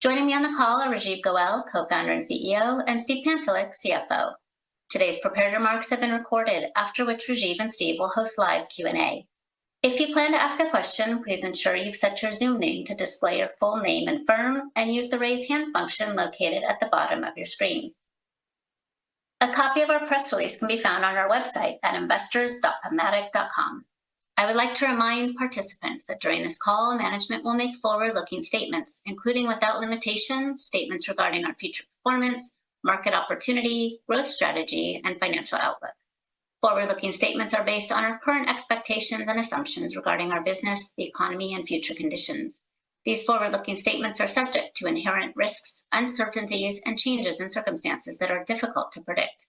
Joining me on the call are Rajeev Goel, co-founder and CEO, and Steve Pantelick, CFO. Today's prepared remarks have been recorded, after which Rajeev and Steve will host live Q&A. If you plan to ask a question, please ensure you've set your Zoom name to display your full name and firm, and use the Raise Hand function located at the bottom of your screen. A copy of our press release can be found on our website at investors.pubmatic.com. I would like to remind participants that during this call, management will make forward-looking statements, including, without limitation, statements regarding our future performance, market opportunity, growth strategy, and financial outlook. Forward-looking statements are based on our current expectations and assumptions regarding our business, the economy, and future conditions. These forward-looking statements are subject to inherent risks, uncertainties, and changes in circumstances that are difficult to predict.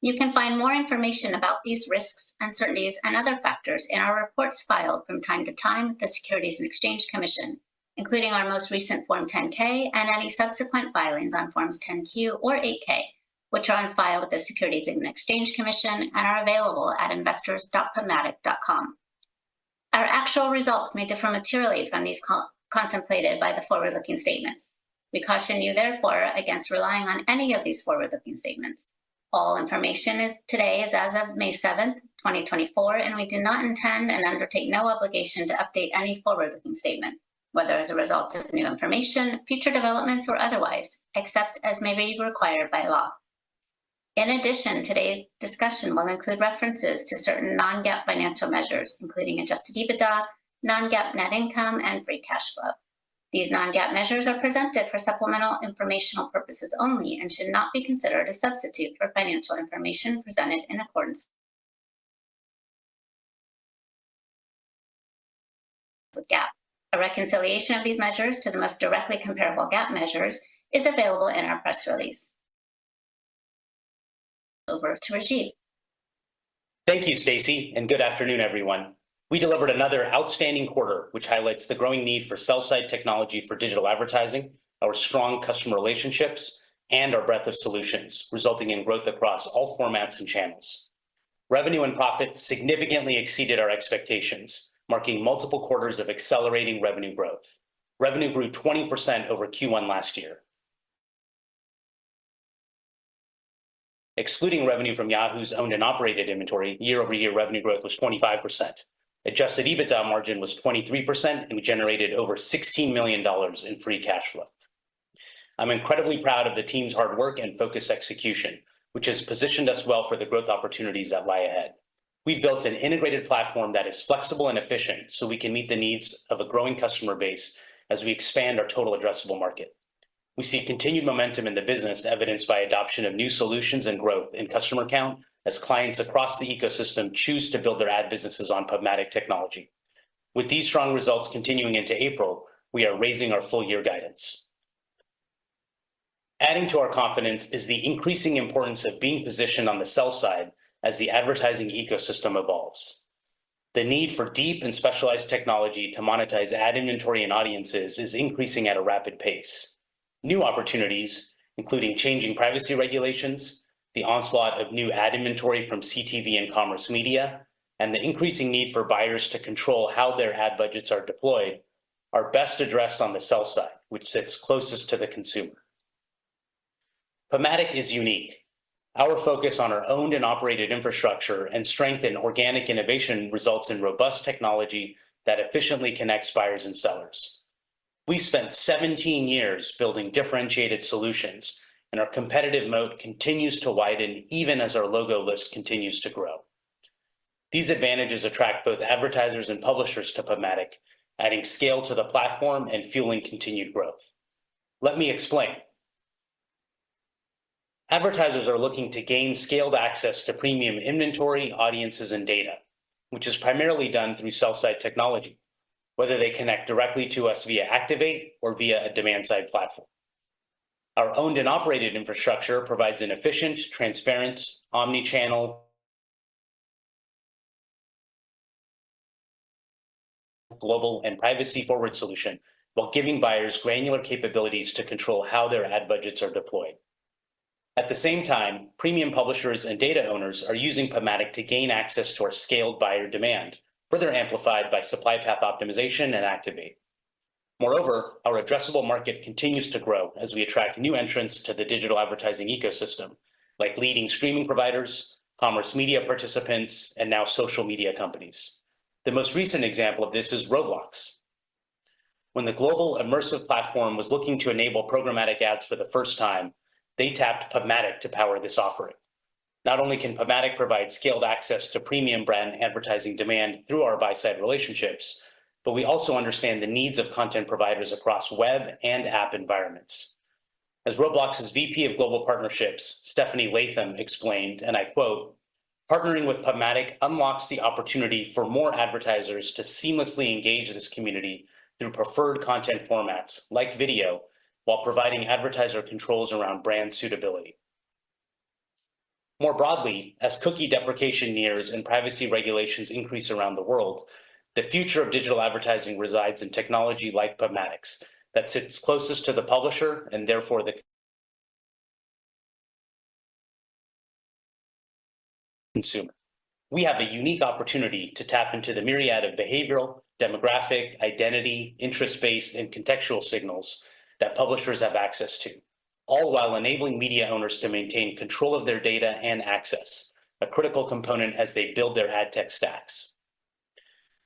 You can find more information about these risks, uncertainties, and other factors in our reports filed from time to time with the Securities and Exchange Commission, including our most recent Form 10-K and any subsequent filings on Forms 10-Q or 8-K, which are on file with the Securities and Exchange Commission and are available at investors.pubmatic.com. Our actual results may differ materially from these contemplated by the forward-looking statements. We caution you, therefore, against relying on any of these forward-looking statements. All information today is as of May 7, 2024, and we do not intend and undertake no obligation to update any forward-looking statement, whether as a result of new information, future developments, or otherwise, except as may be required by law. In addition, today's discussion will include references to certain non-GAAP financial measures, including Adjusted EBITDA, non-GAAP net income, and free cash flow. These non-GAAP measures are presented for supplemental informational purposes only and should not be considered a substitute for financial information presented in accordance with GAAP. A reconciliation of these measures to the most directly comparable GAAP measures is available in our press release. Over to Rajeev. Thank you, Stacy, and good afternoon, everyone. We delivered another outstanding quarter, which highlights the growing need for sell-side technology for digital advertising, our strong customer relationships, and our breadth of solutions, resulting in growth across all formats and channels. Revenue and profit significantly exceeded our expectations, marking multiple quarters of accelerating revenue growth. Revenue grew 20% over Q1 last year. Excluding revenue from Yahoo's owned and operated inventory, year-over-year revenue growth was 25%. Adjusted EBITDA margin was 23%, and we generated over $16 million in free cash flow. I'm incredibly proud of the team's hard work and focused execution, which has positioned us well for the growth opportunities that lie ahead. We've built an integrated platform that is flexible and efficient, so we can meet the needs of a growing customer base as we expand our total addressable market. We see continued momentum in the business, evidenced by adoption of new solutions and growth in customer count, as clients across the ecosystem choose to build their ad businesses on PubMatic technology. With these strong results continuing into April, we are raising our full year guidance. Adding to our confidence is the increasing importance of being positioned on the sell side as the advertising ecosystem evolves. The need for deep and specialized technology to monetize ad inventory and audiences is increasing at a rapid pace. New opportunities, including changing privacy regulations, the onslaught of new ad inventory from CTV and commerce media, and the increasing need for buyers to control how their ad budgets are deployed, are best addressed on the sell side, which sits closest to the consumer. PubMatic is unique. Our focus on our owned and operated infrastructure and strength in organic innovation results in robust technology that efficiently connects buyers and sellers. We spent 17 years building differentiated solutions, and our competitive moat continues to widen even as our logo list continues to grow. These advantages attract both advertisers and publishers to PubMatic, adding scale to the platform and fueling continued growth. Let me explain. Advertisers are looking to gain scaled access to premium inventory, audiences, and data, which is primarily done through sell-side technology, whether they connect directly to us via Activate or via a demand-side platform. Our owned and operated infrastructure provides an efficient, transparent, omni-channel, global, and privacy-forward solution while giving buyers granular capabilities to control how their ad budgets are deployed. At the same time, premium publishers and data owners are using PubMatic to gain access to our scaled buyer demand, further amplified by supply path optimization and Activate. Moreover, our addressable market continues to grow as we attract new entrants to the digital advertising ecosystem, like leading streaming providers, commerce media participants, and now social media companies. The most recent example of this is Roblox. When the global immersive platform was looking to enable programmatic ads for the first time, they tapped PubMatic to power this offering. Not only can PubMatic provide scaled access to premium brand advertising demand through our buy-side relationships, but we also understand the needs of content providers across web and app environments. As Roblox's VP of Global Partnerships, Stephanie Latham, explained, and I quote, "Partnering with PubMatic unlocks the opportunity for more advertisers to seamlessly engage this community through preferred content formats like video, while providing advertiser controls around brand suitability." More broadly, as cookie deprecation nears and privacy regulations increase around the world, the future of digital advertising resides in technology like PubMatic's, that sits closest to the publisher and therefore the consumer. We have a unique opportunity to tap into the myriad of behavioral, demographic, identity, interest-based, and contextual signals that publishers have access to, all while enabling media owners to maintain control of their data and access, a critical component as they build their ad tech stacks.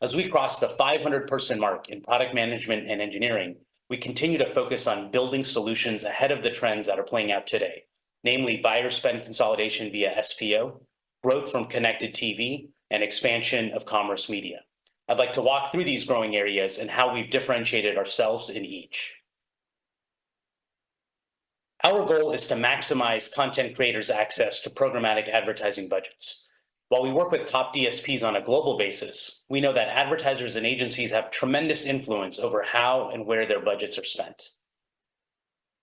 As we cross the 500-person mark in product management and engineering, we continue to focus on building solutions ahead of the trends that are playing out today, namely, buyer spend consolidation via SPO, growth from connected TV, and expansion of commerce media. I'd like to walk through these growing areas and how we've differentiated ourselves in each. Our goal is to maximize content creators' access to programmatic advertising budgets. While we work with top DSPs on a global basis, we know that advertisers and agencies have tremendous influence over how and where their budgets are spent.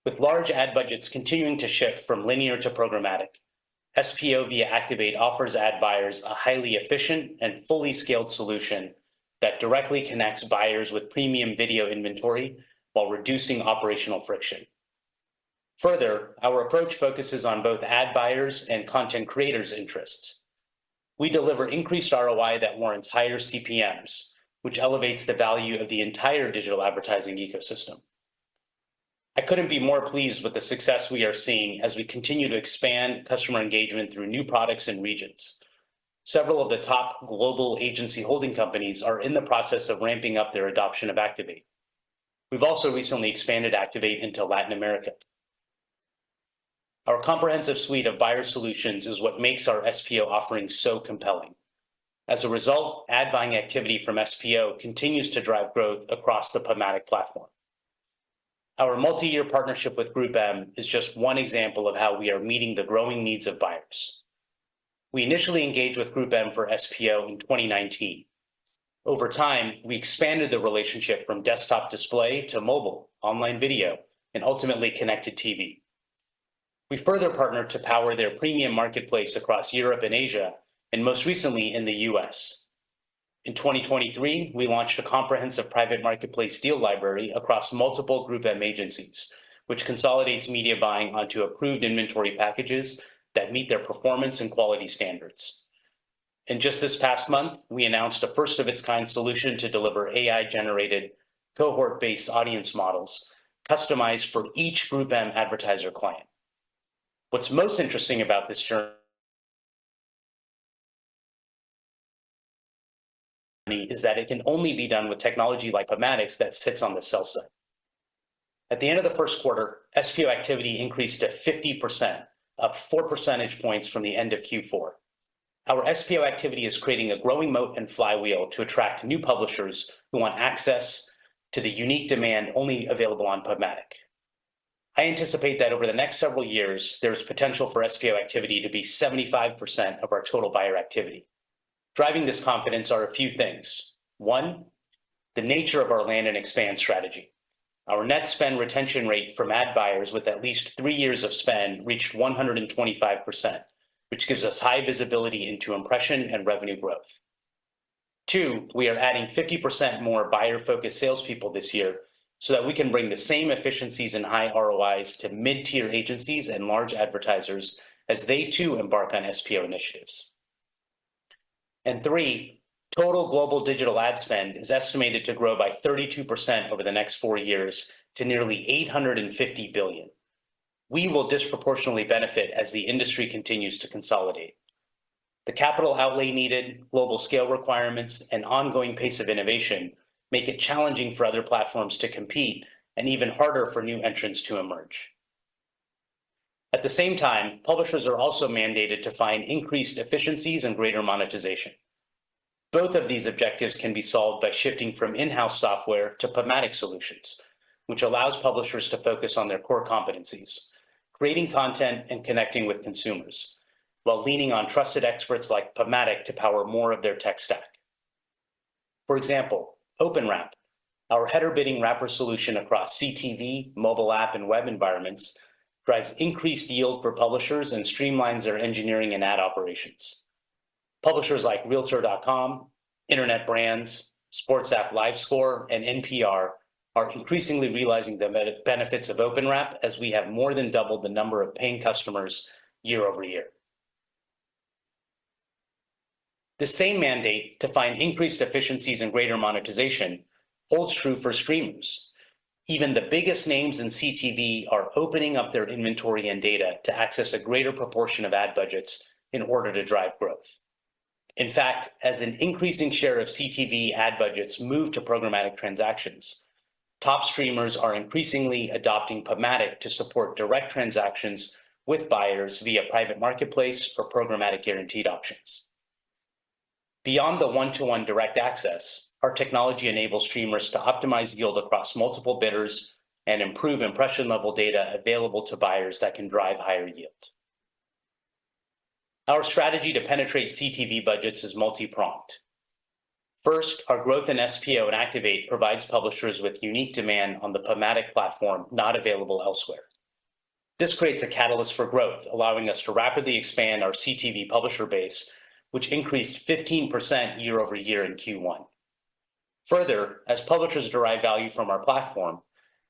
With large ad budgets continuing to shift from linear to programmatic, SPO via Activate offers ad buyers a highly efficient and fully scaled solution that directly connects buyers with premium video inventory while reducing operational friction. Further, our approach focuses on both ad buyers and content creators' interests. We deliver increased ROI that warrants higher CPMs, which elevates the value of the entire digital advertising ecosystem. I couldn't be more pleased with the success we are seeing as we continue to expand customer engagement through new products and regions. Several of the top global agency holding companies are in the process of ramping up their adoption of Activate. We've also recently expanded Activate into Latin America. Our comprehensive suite of buyer solutions is what makes our SPO offering so compelling. As a result, ad buying activity from SPO continues to drive growth across the PubMatic platform. Our multi-year partnership with GroupM is just one example of how we are meeting the growing needs of buyers. We initially engaged with GroupM for SPO in 2019. Over time, we expanded the relationship from desktop display to mobile, online video, and ultimately, connected TV. We further partnered to power their premium marketplace across Europe and Asia, and most recently in the US. In 2023, we launched a comprehensive private marketplace deal library across multiple GroupM agencies, which consolidates media buying onto approved inventory packages that meet their performance and quality standards. Just this past month, we announced a first-of-its-kind solution to deliver AI-generated cohort-based audience models customized for each GroupM advertiser client. What's most interesting about this journey is that it can only be done with technology like PubMatic's that sits on the sell-side. At the end of the first quarter, SPO activity increased to 50%, up four percentage points from the end of Q4. Our SPO activity is creating a growing moat and flywheel to attract new publishers who want access to the unique demand only available on PubMatic. I anticipate that over the next several years, there's potential for SPO activity to be 75% of our total buyer activity. Driving this confidence are a few things. One, the nature of our land and expand strategy. Our net spend retention rate from ad buyers with at least three years of spend reached 125%, which gives us high visibility into impression and revenue growth. Two, we are adding 50% more buyer-focused salespeople this year so that we can bring the same efficiencies and high ROIs to mid-tier agencies and large advertisers as they, too, embark on SPO initiatives. And three, total global digital ad spend is estimated to grow by 32% over the next four years to nearly $850 billion. We will disproportionately benefit as the industry continues to consolidate. The capital outlay needed, global scale requirements, and ongoing pace of innovation make it challenging for other platforms to compete and even harder for new entrants to emerge. At the same time, publishers are also mandated to find increased efficiencies and greater monetization. Both of these objectives can be solved by shifting from in-house software to PubMatic solutions, which allows publishers to focus on their core competencies, creating content and connecting with consumers, while leaning on trusted experts like PubMatic to power more of their tech stack. For example, OpenWrap, our header bidding wrapper solution across CTV, mobile app, and web environments, drives increased yield for publishers and streamlines their engineering and ad operations. Publishers like Realtor.com, Internet Brands, sports app LiveScore, and NPR are increasingly realizing the benefits of OpenWrap, as we have more than doubled the number of paying customers year-over-year. The same mandate to find increased efficiencies and greater monetization holds true for streamers. Even the biggest names in CTV are opening up their inventory and data to access a greater proportion of ad budgets in order to drive growth. In fact, as an increasing share of CTV ad budgets move to programmatic transactions, top streamers are increasingly adopting PubMatic to support direct transactions with buyers via Private Marketplace or Programmatic Guaranteed options. Beyond the one-to-one direct access, our technology enables streamers to optimize yield across multiple bidders and improve impression-level data available to buyers that can drive higher yield. Our strategy to penetrate CTV budgets is multi-pronged. First, our growth in SPO and Activate provides publishers with unique demand on the PubMatic platform not available elsewhere. This creates a catalyst for growth, allowing us to rapidly expand our CTV publisher base, which increased 15% year-over-year in Q1. Further, as publishers derive value from our platform,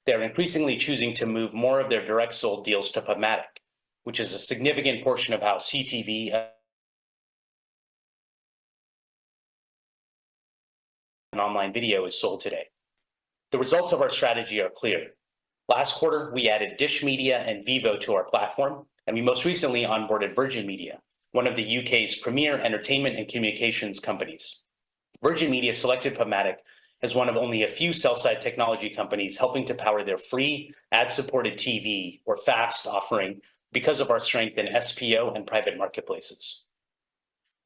they're increasingly choosing to move more of their direct sold deals to PubMatic, which is a significant portion of how CTV and online video is sold today. The results of our strategy are clear. Last quarter, we added Dish Media and Vivo to our platform, and we most recently onboarded Virgin Media, one of the U.K.'s premier entertainment and communications companies. Virgin Media selected PubMatic as one of only a few sell-side technology companies helping to power their free ad-supported TV or FAST offering because of our strength in SPO and private marketplaces.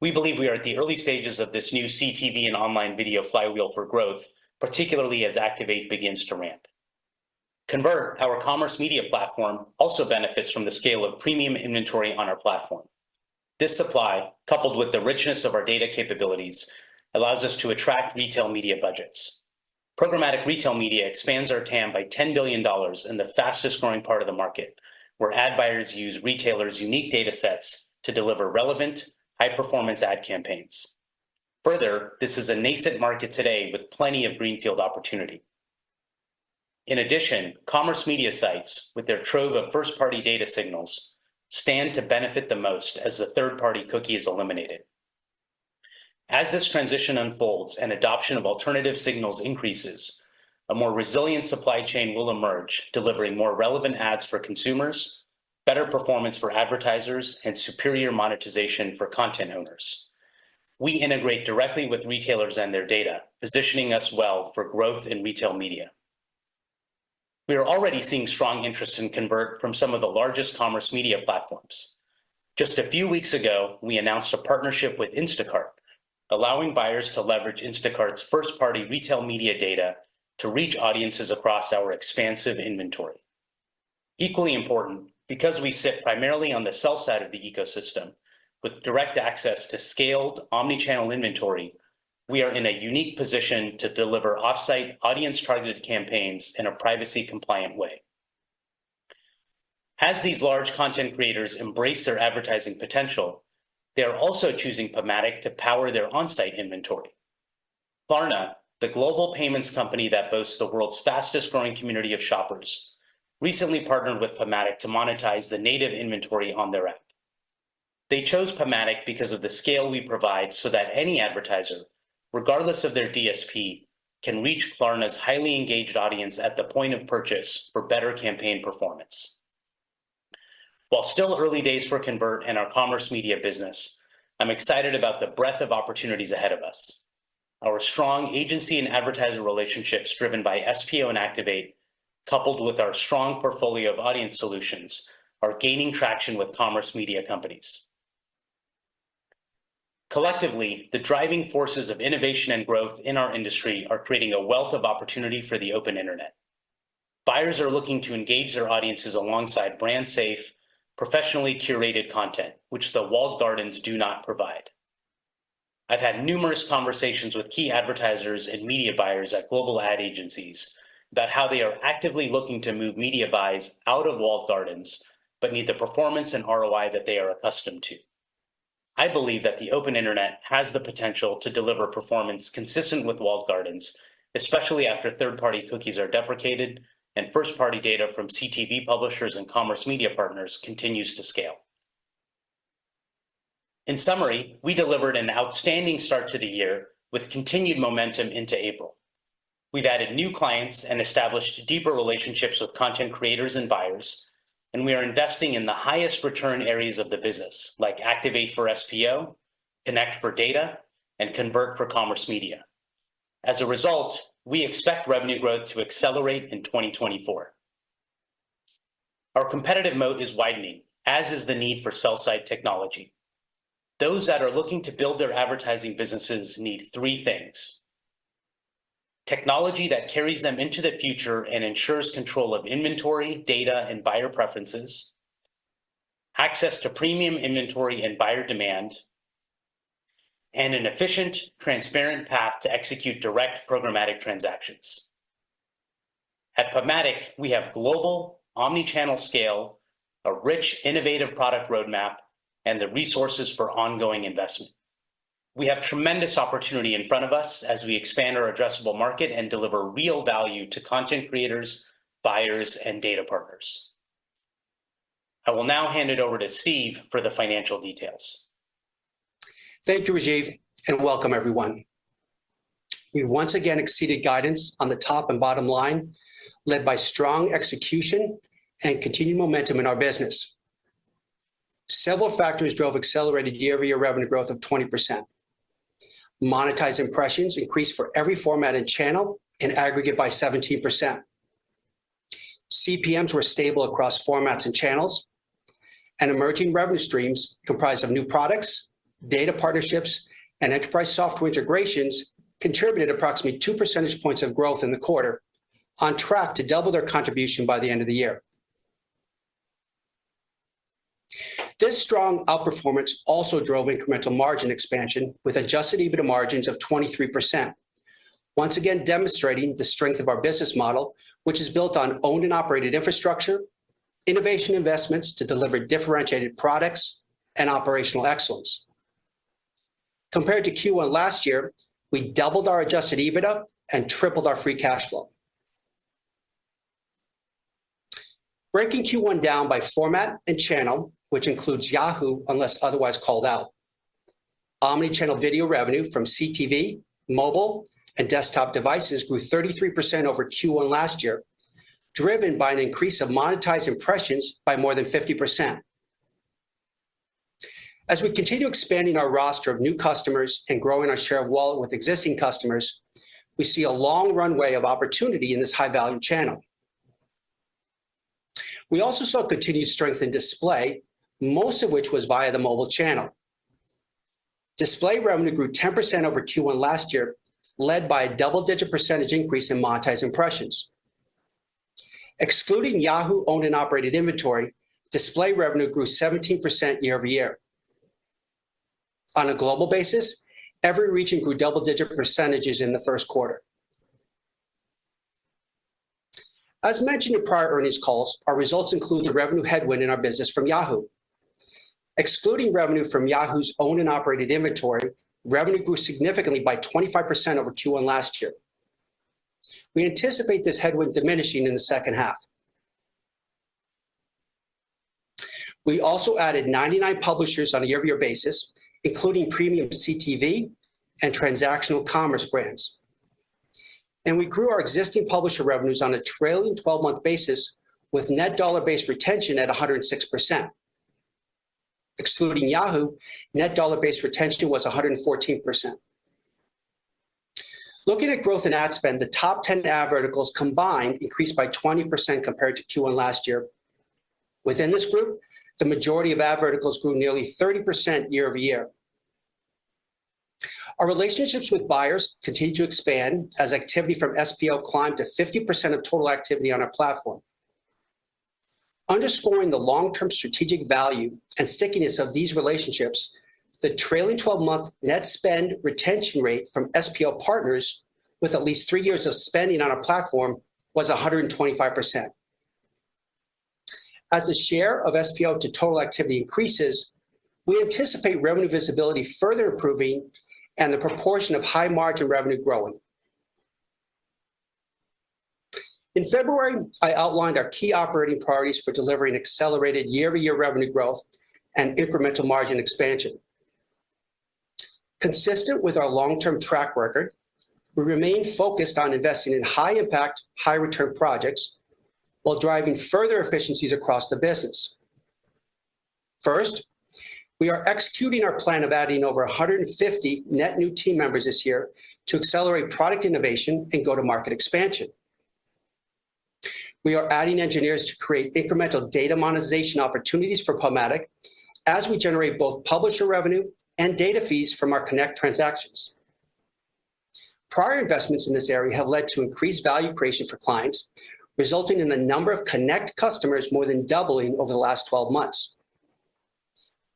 We believe we are at the early stages of this new CTV and online video flywheel for growth, particularly as Activate begins to ramp. Convert, our commerce media platform, also benefits from the scale of premium inventory on our platform. This supply, coupled with the richness of our data capabilities, allows us to attract retail media budgets. Programmatic retail media expands our TAM by $10 billion in the fastest growing part of the market, where ad buyers use retailers' unique data sets to deliver relevant, high-performance ad campaigns. Further, this is a nascent market today with plenty of greenfield opportunity. In addition, commerce media sites, with their trove of first-party data signals, stand to benefit the most as the third-party cookie is eliminated. As this transition unfolds and adoption of alternative signals increases, a more resilient supply chain will emerge, delivering more relevant ads for consumers, better performance for advertisers, and superior monetization for content owners. We integrate directly with retailers and their data, positioning us well for growth in retail media. We are already seeing strong interest in Convert from some of the largest commerce media platforms. Just a few weeks ago, we announced a partnership with Instacart, allowing buyers to leverage Instacart's first-party retail media data to reach audiences across our expansive inventory. Equally important, because we sit primarily on the sell side of the ecosystem, with direct access to scaled omni-channel inventory, we are in a unique position to deliver off-site, audience-targeted campaigns in a privacy-compliant way. As these large content creators embrace their advertising potential, they are also choosing PubMatic to power their on-site inventory. Klarna, the global payments company that boasts the world's fastest-growing community of shoppers, recently partnered with PubMatic to monetize the native inventory on their app. They chose PubMatic because of the scale we provide so that any advertiser, regardless of their DSP, can reach Klarna's highly engaged audience at the point of purchase for better campaign performance. While still early days for Convert and our commerce media business, I'm excited about the breadth of opportunities ahead of us. Our strong agency and advertiser relationships driven by SPO and Activate, coupled with our strong portfolio of audience solutions, are gaining traction with commerce media companies. Collectively, the driving forces of innovation and growth in our industry are creating a wealth of opportunity for the open internet. Buyers are looking to engage their audiences alongside brand safe, professionally curated content, which the walled gardens do not provide. I've had numerous conversations with key advertisers and media buyers at global ad agencies about how they are actively looking to move media buys out of walled gardens, but need the performance and ROI that they are accustomed to. I believe that the open internet has the potential to deliver performance consistent with walled gardens, especially after third-party cookies are deprecated and first-party data from CTV publishers and commerce media partners continues to scale. In summary, we delivered an outstanding start to the year with continued momentum into April. We've added new clients and established deeper relationships with content creators and buyers, and we are investing in the highest return areas of the business, like Activate for SPO, Connect for data, and Convert for commerce media. As a result, we expect revenue growth to accelerate in 2024. Our competitive mode is widening, as is the need for sell-side technology. Those that are looking to build their advertising businesses need three things: technology that carries them into the future and ensures control of inventory, data, and buyer preferences, access to premium inventory and buyer demand, and an efficient, transparent path to execute direct programmatic transactions. At PubMatic, we have global Omni-channel scale, a rich, innovative product roadmap, and the resources for ongoing investment. We have tremendous opportunity in front of us as we expand our addressable market and deliver real value to content creators, buyers, and data partners. I will now hand it over to Steve for the financial details. Thank you, Rajeev, and welcome everyone. We once again exceeded guidance on the top and bottom line, led by strong execution and continued momentum in our business. Several factors drove accelerated year-over-year revenue growth of 20%. Monetized impressions increased for every format and channel in aggregate by 17%. CPMs were stable across formats and channels, and emerging revenue streams comprised of new products, data partnerships, and enterprise software integrations contributed approximately two percentage points of growth in the quarter, on track to double their contribution by the end of the year. This strong outperformance also drove incremental margin expansion with Adjusted EBITDA margins of 23%. Once again, demonstrating the strength of our business model, which is built on owned and operated infrastructure, innovation investments to deliver differentiated products and operational excellence. Compared to Q1 last year, we doubled our Adjusted EBITDA and tripled our Free Cash Flow. Breaking Q1 down by format and channel, which includes Yahoo unless otherwise called out, Omni-channel video revenue from CTV, mobile, and desktop devices grew 33% over Q1 last year, driven by an increase of monetized impressions by more than 50%. As we continue expanding our roster of new customers and growing our share of wallet with existing customers, we see a long runway of opportunity in this high-value channel. We also saw continued strength in display, most of which was via the mobile channel. Display revenue grew 10% over Q1 last year, led by a double-digit percentage increase in monetized impressions. Excluding Yahoo-owned and operated inventory, display revenue grew 17% year-over-year. On a global basis, every region grew double-digit percentages in the first quarter. As mentioned in prior earnings calls, our results include the revenue headwind in our business from Yahoo. Excluding revenue from Yahoo!'s owned and operated inventory, revenue grew significantly by 25% over Q1 last year. We anticipate this headwind diminishing in the second half. We also added 99 publishers on a year-over-year basis, including premium CTV and transactional commerce brands. We grew our existing publisher revenues on a trailing twelve-month basis, with net dollar-based retention at 106%. Excluding Yahoo!, net dollar-based retention was 114%. Looking at growth in ad spend, the top 10 ad verticals combined increased by 20% compared to Q1 last year. Within this group, the majority of ad verticals grew nearly 30% year over year. Our relationships with buyers continue to expand as activity from SPL climbed to 50% of total activity on our platform. Underscoring the long-term strategic value and stickiness of these relationships, the trailing twelve-month net spend retention rate from SPL partners with at least three years of spending on our platform was 125%. As the share of SPL to total activity increases, we anticipate revenue visibility further improving and the proportion of high-margin revenue growing. In February, I outlined our key operating priorities for delivering accelerated year-over-year revenue growth and incremental margin expansion. Consistent with our long-term track record, we remain focused on investing in high-impact, high-return projects while driving further efficiencies across the business. First, we are executing our plan of adding over 150 net new team members this year to accelerate product innovation and go-to-market expansion. We are adding engineers to create incremental data monetization opportunities for PubMatic as we generate both publisher revenue and data fees from our connect transactions. Prior investments in this area have led to increased value creation for clients, resulting in the number of Connect customers more than doubling over the last 12 months.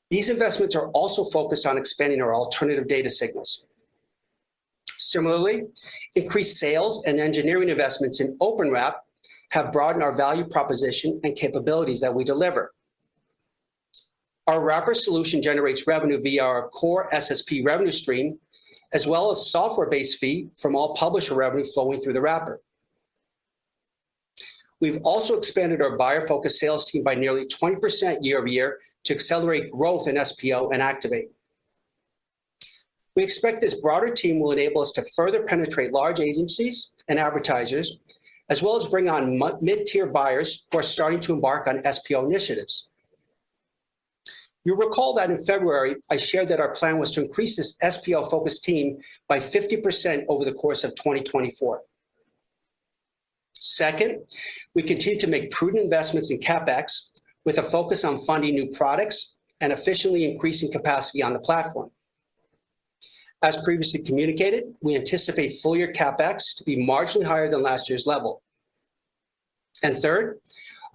These investments are also focused on expanding our alternative data signals. Similarly, increased sales and engineering investments in OpenWrap have broadened our value proposition and capabilities that we deliver. Our wrapper solution generates revenue via our core SSP revenue stream, as well as software-based fee from all publisher revenue flowing through the wrapper. We've also expanded our buyer-focused sales team by nearly 20% year-over-year to accelerate growth in SPO and Activate. We expect this broader team will enable us to further penetrate large agencies and advertisers, as well as bring on mid-tier buyers who are starting to embark on SPO initiatives. You'll recall that in February, I shared that our plan was to increase this SPL-focused team by 50% over the course of 2024. Second, we continue to make prudent investments in CapEx, with a focus on funding new products and efficiently increasing capacity on the platform. As previously communicated, we anticipate full-year CapEx to be marginally higher than last year's level. And third,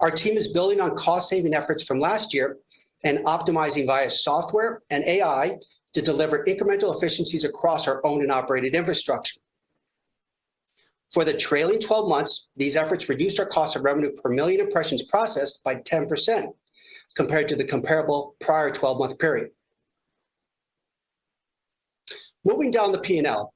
our team is building on cost-saving efforts from last year and optimizing via software and AI to deliver incremental efficiencies across our owned and operated infrastructure. For the trailing twelve months, these efforts reduced our cost of revenue per million impressions processed by 10% compared to the comparable prior twelve-month period. Moving down the P&L.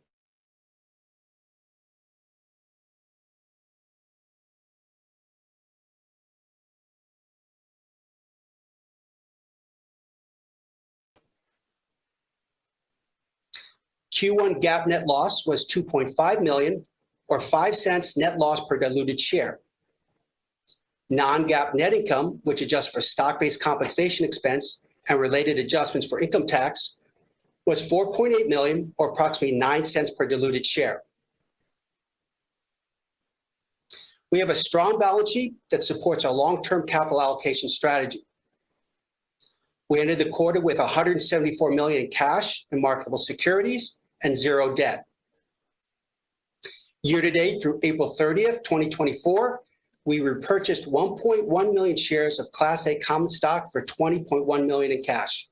Q1 GAAP net loss was $2.5 million, or $0.05 net loss per diluted share. Non-GAAP net income, which adjusts for stock-based compensation expense and related adjustments for income tax, was $4.8 million, or approximately $0.09 per diluted share. We have a strong balance sheet that supports our long-term capital allocation strategy. We ended the quarter with $174 million in cash and marketable securities and $0 debt. Year to date, through April 30, 2024, we repurchased 1.1 million shares of Class A common stock for $20.1 million in cash.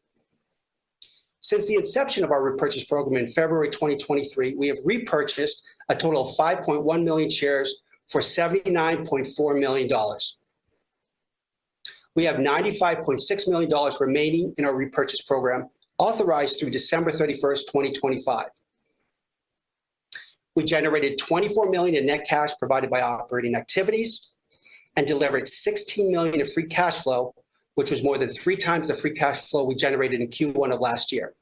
Since the inception of our repurchase program in February 2023, we have repurchased a total of 5.1 million shares for $79.4 million. We have $95.6 million remaining in our repurchase program, authorized through December 31, 2025. We generated $24 million in net cash provided by operating activities, and delivered $16 million in free cash flow, which was more than 3 times the free cash flow we generated in Q1 of last year.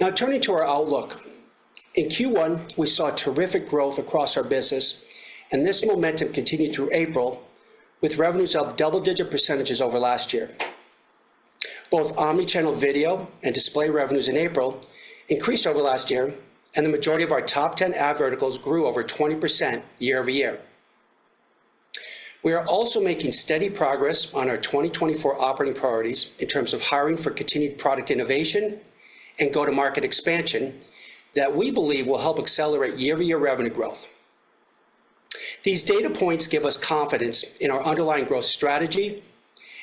Now, turning to our outlook. In Q1, we saw terrific growth across our business, and this momentum continued through April, with revenues up double-digit percentages over last year. Both omni-channel video and display revenues in April increased over last year, and the majority of our top 10 ad verticals grew over 20% year-over-year. We are also making steady progress on our 2024 operating priorities in terms of hiring for continued product innovation and go-to-market expansion, that we believe will help accelerate year-over-year revenue growth. These data points give us confidence in our underlying growth strategy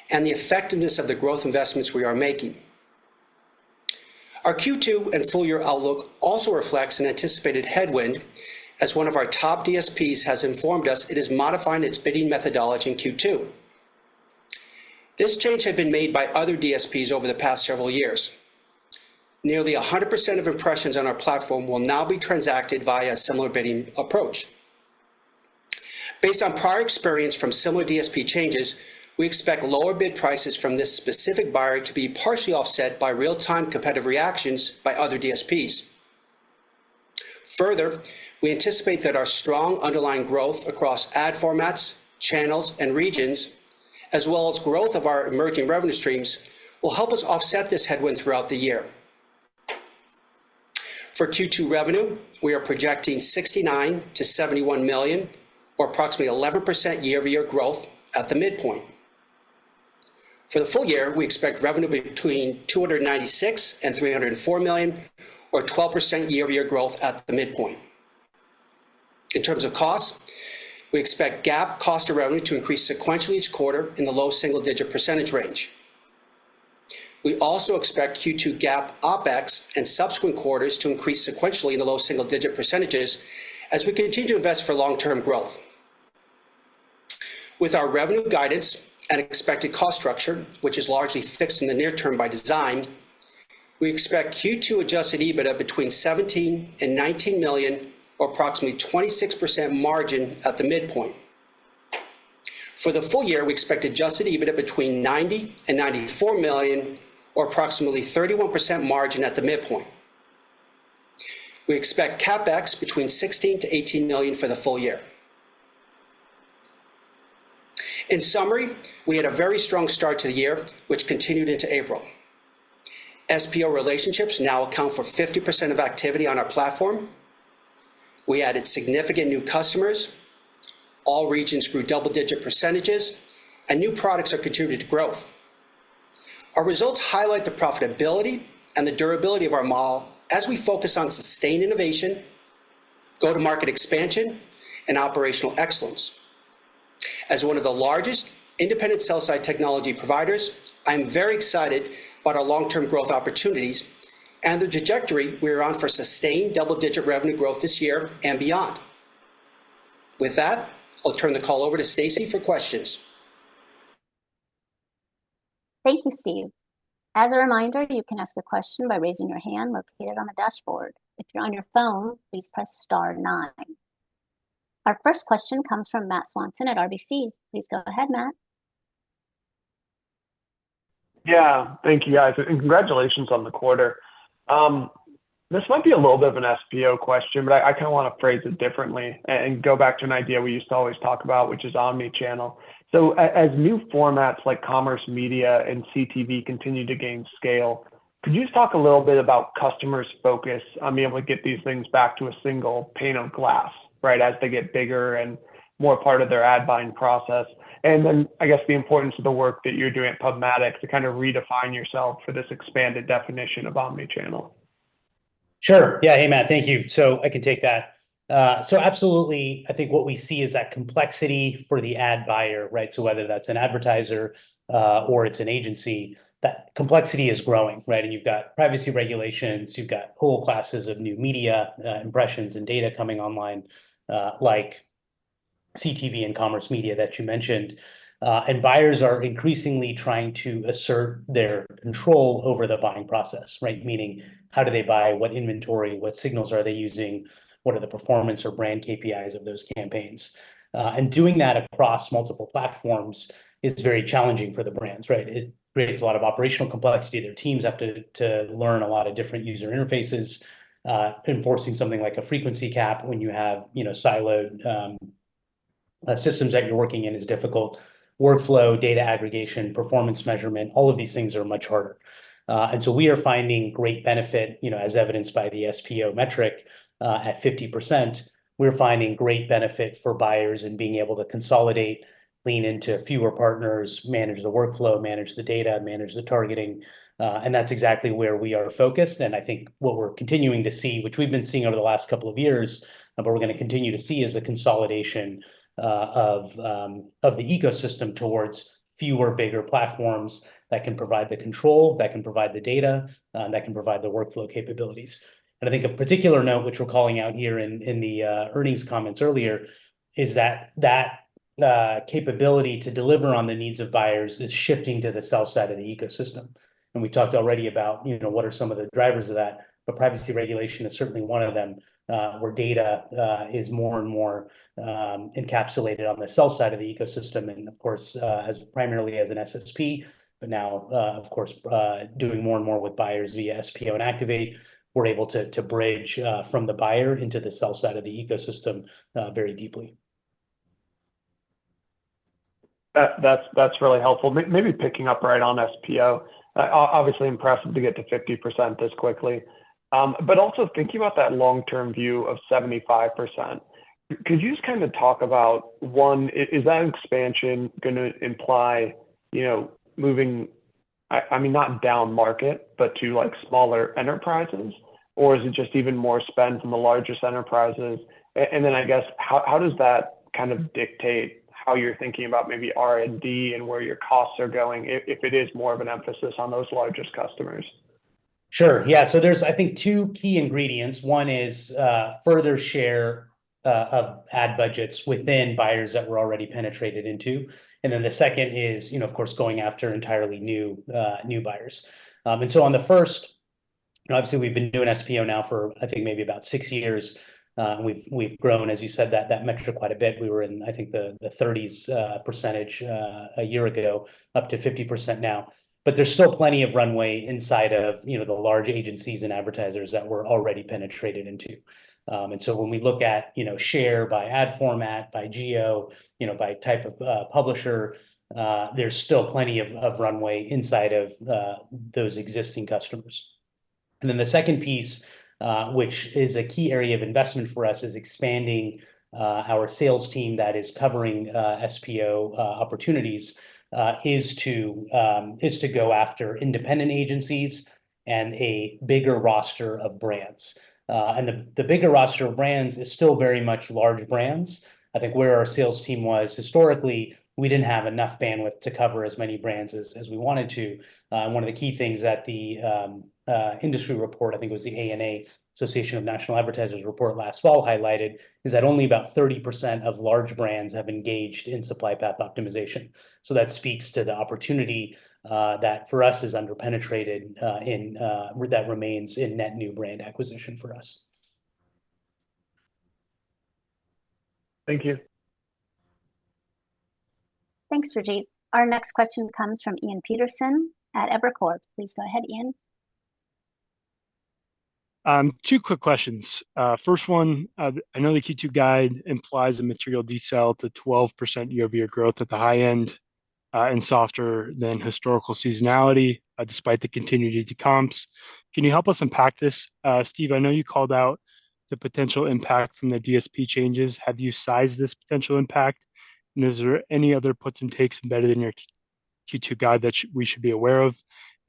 and the effectiveness of the growth investments we are making. Our Q2 and full year outlook also reflects an anticipated headwind, as one of our top DSPs has informed us it is modifying its bidding methodology in Q2. This change had been made by other DSPs over the past several years. Nearly 100% of impressions on our platform will now be transacted via a similar bidding approach. Based on prior experience from similar DSP changes, we expect lower bid prices from this specific buyer to be partially offset by real-time competitive reactions by other DSPs. Further, we anticipate that our strong underlying growth across ad formats, channels, and regions, as well as growth of our emerging revenue streams, will help us offset this headwind throughout the year. For Q2 revenue, we are projecting $69 million-$71 million, or approximately 11% year-over-year growth at the midpoint. For the full year, we expect revenue between $296 million and $304 million, or 12% year-over-year growth at the midpoint. In terms of costs, we expect GAAP cost of revenue to increase sequentially each quarter in the low single-digit percentage range. We also expect Q2 GAAP OpEx and subsequent quarters to increase sequentially in the low single-digit percentages as we continue to invest for long-term growth. With our revenue guidance and expected cost structure, which is largely fixed in the near term by design, we expect Q2 adjusted EBITDA between $17 million and $19 million, or approximately 26% margin at the midpoint. For the full year, we expect adjusted EBITDA between $90 million and $94 million, or approximately 31% margin at the midpoint. We expect CapEx between $16 million to $18 million for the full year. In summary, we had a very strong start to the year, which continued into April. SPO relationships now account for 50% of activity on our platform. We added significant new customers. All regions grew double-digit percentages, and new products are contributing to growth. Our results highlight the profitability and the durability of our model as we focus on sustained innovation, go-to-market expansion, and operational excellence. As one of the largest independent sell-side technology providers, I am very excited about our long-term growth opportunities and the trajectory we're on for sustained double-digit revenue growth this year and beyond. With that, I'll turn the call over to Stacy for questions. Thank you, Steve. As a reminder, you can ask a question by raising your hand located on the dashboard. If you're on your phone, please press star nine. Our first question comes from Matt Swanson at RBC. Please go ahead, Matt. Yeah, thank you, guys, and congratulations on the quarter. This might be a little bit of an SPO question, but I kinda wanna phrase it differently and go back to an idea we used to always talk about, which is omni-channel. So as new formats like commerce, media, and CTV continue to gain scale, could you just talk a little bit about customers' focus on being able to get these things back to a single pane of glass, right? As they get bigger and more part of their ad buying process. And then, I guess, the importance of the work that you're doing at PubMatic to kind of redefine yourself for this expanded definition of omni-channel. Sure. Yeah. Hey, Matt, thank you. So I can take that. So absolutely, I think what we see is that complexity for the ad buyer, right? So whether that's an advertiser, or it's an agency, that complexity is growing, right? And you've got privacy regulations, you've got whole classes of new media, impressions and data coming online, like CTV and commerce media that you mentioned. And buyers are increasingly trying to assert their control over the buying process, right? Meaning, how do they buy, what inventory, what signals are they using? What are the performance or brand KPIs of those campaigns? And doing that across multiple platforms is very challenging for the brands, right? It creates a lot of operational complexity. Their teams have to learn a lot of different user interfaces. Enforcing something like a frequency cap when you have, you know, siloed systems that you're working in is difficult. Workflow, data aggregation, performance measurement, all of these things are much harder. And so we are finding great benefit, you know, as evidenced by the SPO metric at 50%. We're finding great benefit for buyers in being able to consolidate, lean into fewer partners, manage the workflow, manage the data, manage the targeting, and that's exactly where we are focused. And I think what we're continuing to see, which we've been seeing over the last couple of years, but we're gonna continue to see, is a consolidation of the ecosystem towards fewer, bigger platforms that can provide the control, that can provide the data, that can provide the workflow capabilities. And I think a particular note, which we're calling out here in the earnings comments earlier, is that capability to deliver on the needs of buyers is shifting to the sell side of the ecosystem. And we talked already about, you know, what are some of the drivers of that, but privacy regulation is certainly one of them, where data is more and more encapsulated on the sell side of the ecosystem. And of course, as primarily an SSP, but now, of course, doing more and more with buyers via SPO and Activate, we're able to bridge from the buyer into the sell side of the ecosystem very deeply. That's really helpful. Maybe picking up right on SPO, obviously impressive to get to 50% this quickly. But also thinking about that long-term view of 75%, could you just kind of talk about, one, is that expansion gonna imply, you know, moving, I mean, not down market, but to like, smaller enterprises? Or is it just even more spend from the largest enterprises? And then, I guess, how does that kind of dictate how you're thinking about maybe R&D and where your costs are going, if it is more of an emphasis on those largest customers? Sure, yeah. So there's, I think, two key ingredients. One is further share of ad budgets within buyers that we're already penetrated into. And then the second is, you know, of course, going after entirely new buyers. And so on the first, obviously, we've been doing SPO now for, I think, maybe about six years. We've grown, as you said, that metric quite a bit. We were in, I think, the 30s% a year ago, up to 50% now. But there's still plenty of runway inside of, you know, the large agencies and advertisers that we're already penetrated into. And so when we look at, you know, share by ad format, by geo, by type of publisher, there's still plenty of runway inside of those existing customers. Then the second piece, which is a key area of investment for us, is expanding our sales team that is covering SPO opportunities, is to go after independent agencies and a bigger roster of brands. The bigger roster of brands is still very much large brands. I think where our sales team was historically, we didn't have enough bandwidth to cover as many brands as we wanted to. One of the key things that the industry report, I think it was the ANA, Association of National Advertisers report last fall highlighted, is that only about 30% of large brands have engaged in supply path optimization. So that speaks to the opportunity that for us is under penetrated, in that remains in net new brand acquisition for us. Thank you. Thanks, Rajeev. Our next question comes from Ian Peterson at Evercore. Please go ahead, Ian. 2 quick questions. First one, I know the Q2 guide implies a material decel to 12% year-over-year growth at the high end, and softer than historical seasonality, despite the continued comps. Can you help us unpack this? Steve, I know you called out the potential impact from the DSP changes. Have you sized this potential impact? And is there any other puts and takes embedded in your Q2 guide that we should be aware of?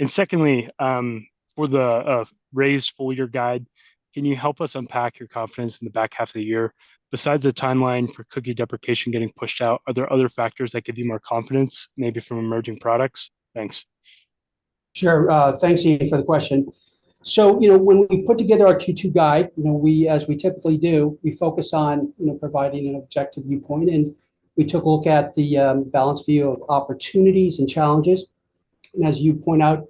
And secondly, for the raised full-year guide, can you help us unpack your confidence in the back half of the year? Besides the timeline for cookie deprecation getting pushed out, are there other factors that give you more confidence, maybe from emerging products? Thanks. Sure. Thanks, Ian, for the question. So, you know, when we put together our Q2 guide, you know, we, as we typically do, we focus on, you know, providing an objective viewpoint, and we took a look at the balanced view of opportunities and challenges. And as you point out,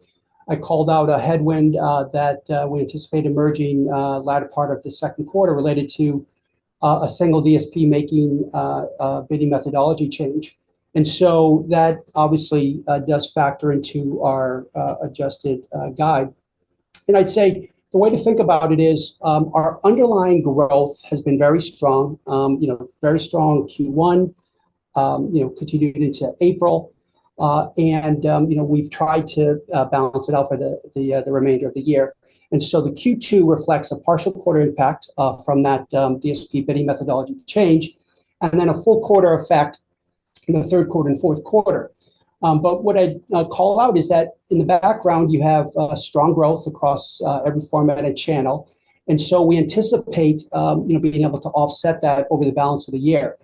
I called out a headwind that we anticipate emerging latter part of the second quarter, related to a single DSP making a bidding methodology change. And so that obviously does factor into our adjusted guide. And I'd say the way to think about it is our underlying growth has been very strong, you know, very strong in Q1, you know, continuing into April. And you know, we've tried to balance it out for the remainder of the year. And so the Q2 reflects a partial quarter impact from that DSP bidding methodology change, and then a full quarter effect in the third quarter and fourth quarter. But what I'd call out is that in the background, you have a strong growth across every format and channel. And so we anticipate you know being able to offset that over the balance of the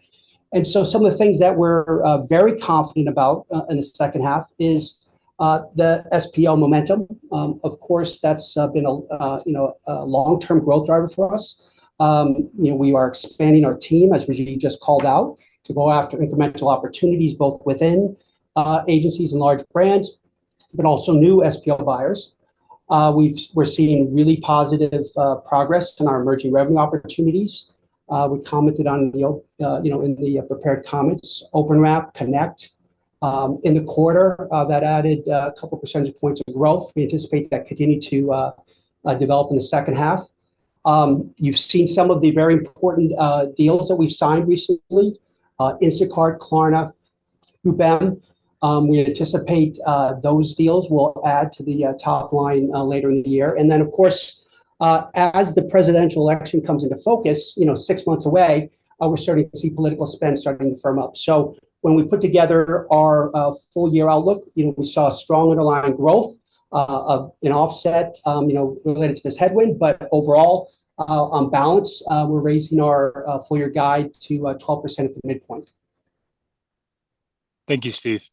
year. And so some of the things that we're very confident about in the second half is the SPO momentum. Of course, that's been a you know a long-term growth driver for us. You know we are expanding our team, as Rajeev just called out, to go after incremental opportunities, both within agencies and large brands, but also new SPO buyers. We're seeing really positive progress in our emerging revenue opportunities. We commented on the, you know, in the prepared comments, OpenWrap, Connect, in the quarter, that added a couple percentage points of growth. We anticipate that continuing to develop in the second half. You've seen some of the very important deals that we've signed recently, Instacart, Klarna, Ruben. We anticipate those deals will add to the top line later in the year. And then, of course, as the presidential election comes into focus, you know, six months away, we're starting to see political spend starting to firm up. So when we put together our full year outlook, you know, we saw a strong underlying growth of an offset, you know, related to this headwind, but overall, on balance, we're raising our full year guide to 12% at the midpoint. Thank you, Steve....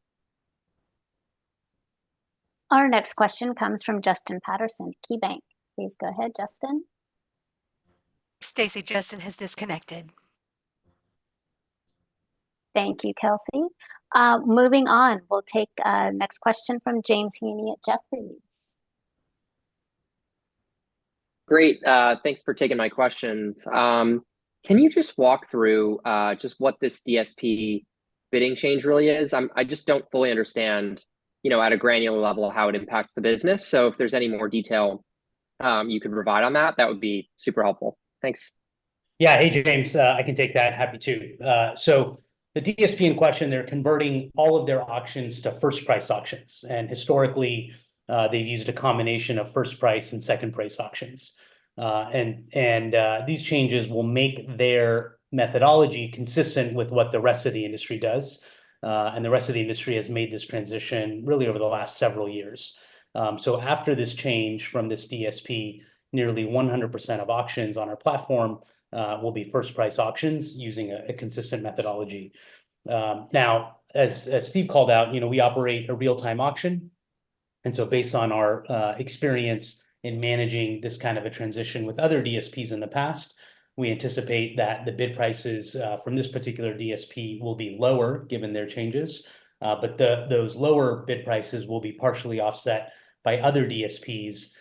Our next question comes from Justin Patterson, KeyBanc. Please go ahead, Justin. Stacy, Justin has disconnected. Thank you, Kelsey. Moving on, we'll take next question from James Heaney at Jefferies. Great. Thanks for taking my questions. Can you just walk through just what this DSP bidding change really is? I just don't fully understand, you know, at a granular level, how it impacts the business. So if there's any more detail you could provide on that, that would be super helpful. Thanks. Yeah. Hey, James. I can take that, happy to. So the DSP in question, they're converting all of their auctions to first price auctions, and historically, they've used a combination of first price and second price auctions. These changes will make their methodology consistent with what the rest of the industry does. The rest of the industry has made this transition really over the last several years. So after this change from this DSP, nearly 100% of auctions on our platform will be first price auctions using a consistent methodology. Now, as Steve called out, you know, we operate a real-time auction, and so based on our experience in managing this kind of a transition with other DSPs in the past, we anticipate that the bid prices from this particular DSP will be lower, given their changes. But those lower bid prices will be partially offset by other DSPs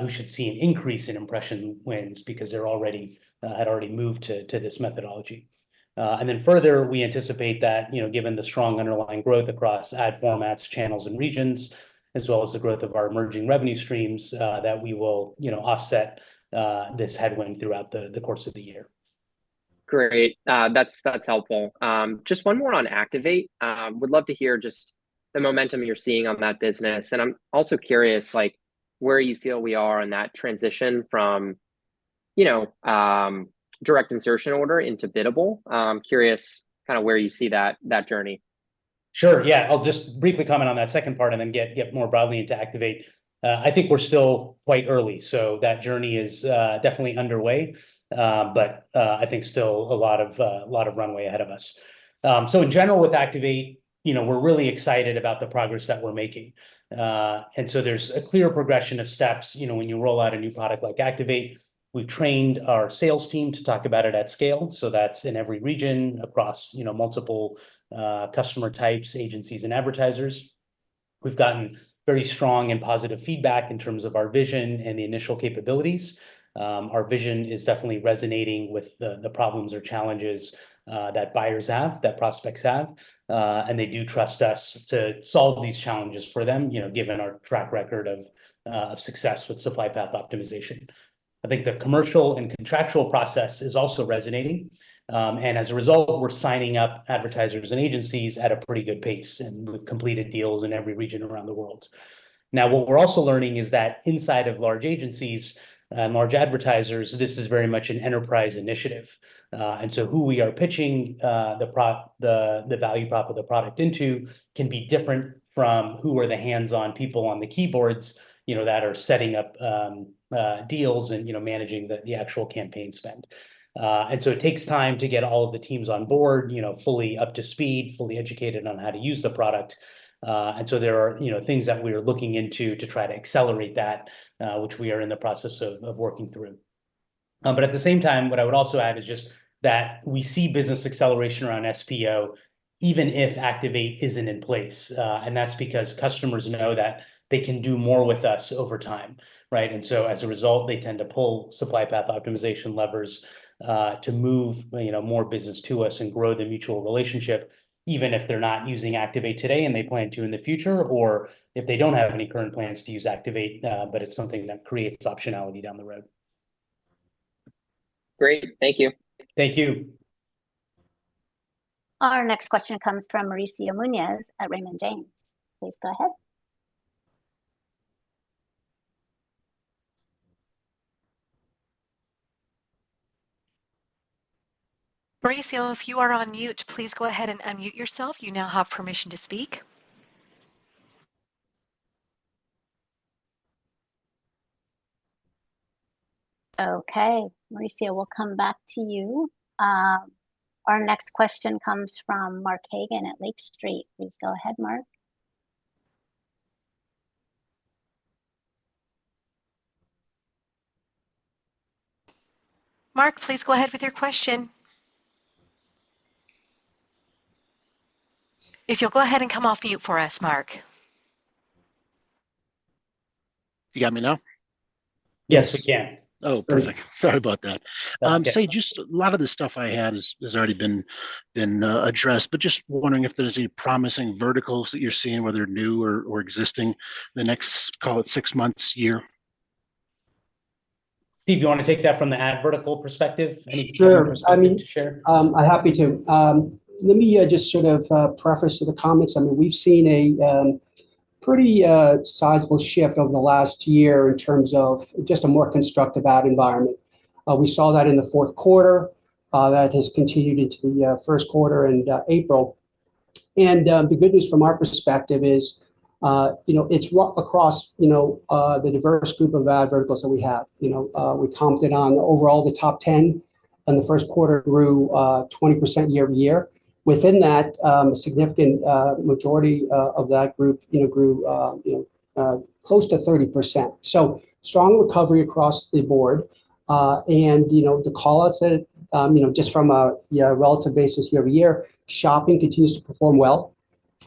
who should see an increase in impression wins because they're already had already moved to this methodology. And then further, we anticipate that, you know, given the strong underlying growth across ad formats, channels, and regions, as well as the growth of our emerging revenue streams, that we will, you know, offset this headwind throughout the course of the year. Great. That's helpful. Just one more on Activate. Would love to hear just the momentum you're seeing on that business, and I'm also curious, like, where you feel we are in that transition from, you know, direct insertion order into biddable. Curious kind of where you see that journey. Sure. Yeah, I'll just briefly comment on that second part and then get more broadly into Activate. I think we're still quite early, so that journey is definitely underway. But I think still a lot of a lot of runway ahead of us. So in general, with Activate, you know, we're really excited about the progress that we're making. And so there's a clear progression of steps, you know, when you roll out a new product like Activate. We've trained our sales team to talk about it at scale, so that's in every region across, you know, multiple customer types, agencies, and advertisers. We've gotten very strong and positive feedback in terms of our vision and the initial capabilities. Our vision is definitely resonating with the problems or challenges that buyers have, that prospects have. And they do trust us to solve these challenges for them, you know, given our track record of success with supply path optimization. I think the commercial and contractual process is also resonating, and as a result, we're signing up advertisers and agencies at a pretty good pace, and we've completed deals in every region around the world. Now, what we're also learning is that inside of large agencies, large advertisers, this is very much an enterprise initiative. And so who we are pitching the value prop of the product into can be different from who are the hands-on people on the keyboards, you know, that are setting up deals and, you know, managing the actual campaign spend. And so it takes time to get all of the teams on board, you know, fully up to speed, fully educated on how to use the product. And so there are, you know, things that we are looking into to try to accelerate that, which we are in the process of working through. But at the same time, what I would also add is just that we see business acceleration around SPO, even if Activate isn't in place. And that's because customers know that they can do more with us over time, right? And so as a result, they tend to pull Supply Path Optimization levers, to move, you know, more business to us and grow the mutual relationship, even if they're not using Activate today and they plan to in the future, or if they don't have any current plans to use Activate, but it's something that creates optionality down the road. Great. Thank you. Thank you. Our next question comes from Mauricio Muñoz at Raymond James. Please go ahead. Mauricio, if you are on mute, please go ahead and unmute yourself. You now have permission to speak. Okay, Mauricio, we'll come back to you. Our next question comes from Mark Hagen at Lake Street. Please go ahead, Mark. Mark, please go ahead with your question. If you'll go ahead and come off mute for us, Mark. You got me now? Yes, we can. Oh, perfect. Sorry about that. That's okay. So, just a lot of the stuff I had has already been addressed, but just wondering if there's any promising verticals that you're seeing, whether new or existing, in the next, call it, six months, year? Steve, do you want to take that from the ad vertical perspective? Sure. Any perspective you'd like to share? I'm happy to. Let me just sort of preface to the comments. I mean, we've seen a pretty sizable shift over the last year in terms of just a more constructive ad environment. We saw that in the fourth quarter. That has continued into the first quarter and April. The good news from our perspective is, you know, it's across, you know, the diverse group of ad verticals that we have. You know, we commented on overall the top ten-... and the first quarter grew 20% year-over-year. Within that, significant majority of that group, you know, grew close to 30%. So strong recovery across the board. And, you know, the call-outs that, you know, just from a relative basis year-over-year, shopping continues to perform well.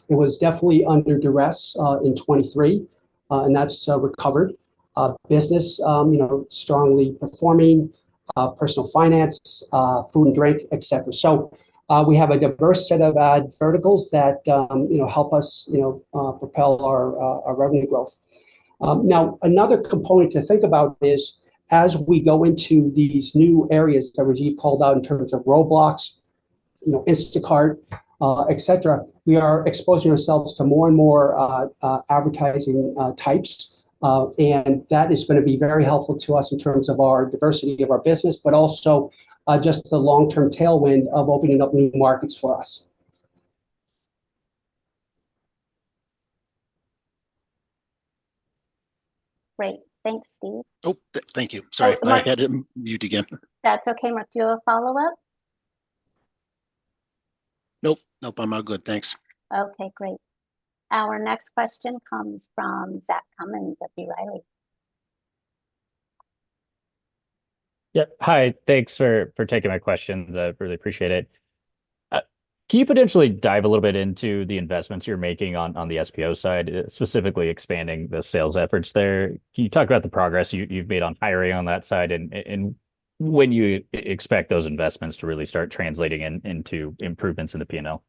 It was definitely under duress in 2023, and that's recovered. Business, you know, strongly performing, personal finance, food and drink, etc. So, we have a diverse set of verticals that, you know, help us, you know, propel our our revenue growth. Now, another component to think about is as we go into these new areas that Rajeev called out in terms of Roblox, you know, Instacart, et cetera, we are exposing ourselves to more and more advertising types. And that is gonna be very helpful to us in terms of our diversity of our business, but also just the long-term tailwind of opening up new markets for us. Great. Thanks, Steve. Oh, thank you. Sorry- Oh, Mark... I had it mute again. That's okay, Mark. Do you have a follow-up? Nope. Nope, I'm all good. Thanks. Okay, great. Our next question comes from Zach Cummins at B. Riley. Yeah, hi. Thanks for taking my questions. I really appreciate it. Can you potentially dive a little bit into the investments you're making on the SPO side, specifically expanding the sales efforts there? Can you talk about the progress you've made on hiring on that side, and when you expect those investments to really start translating into improvements in the P&L?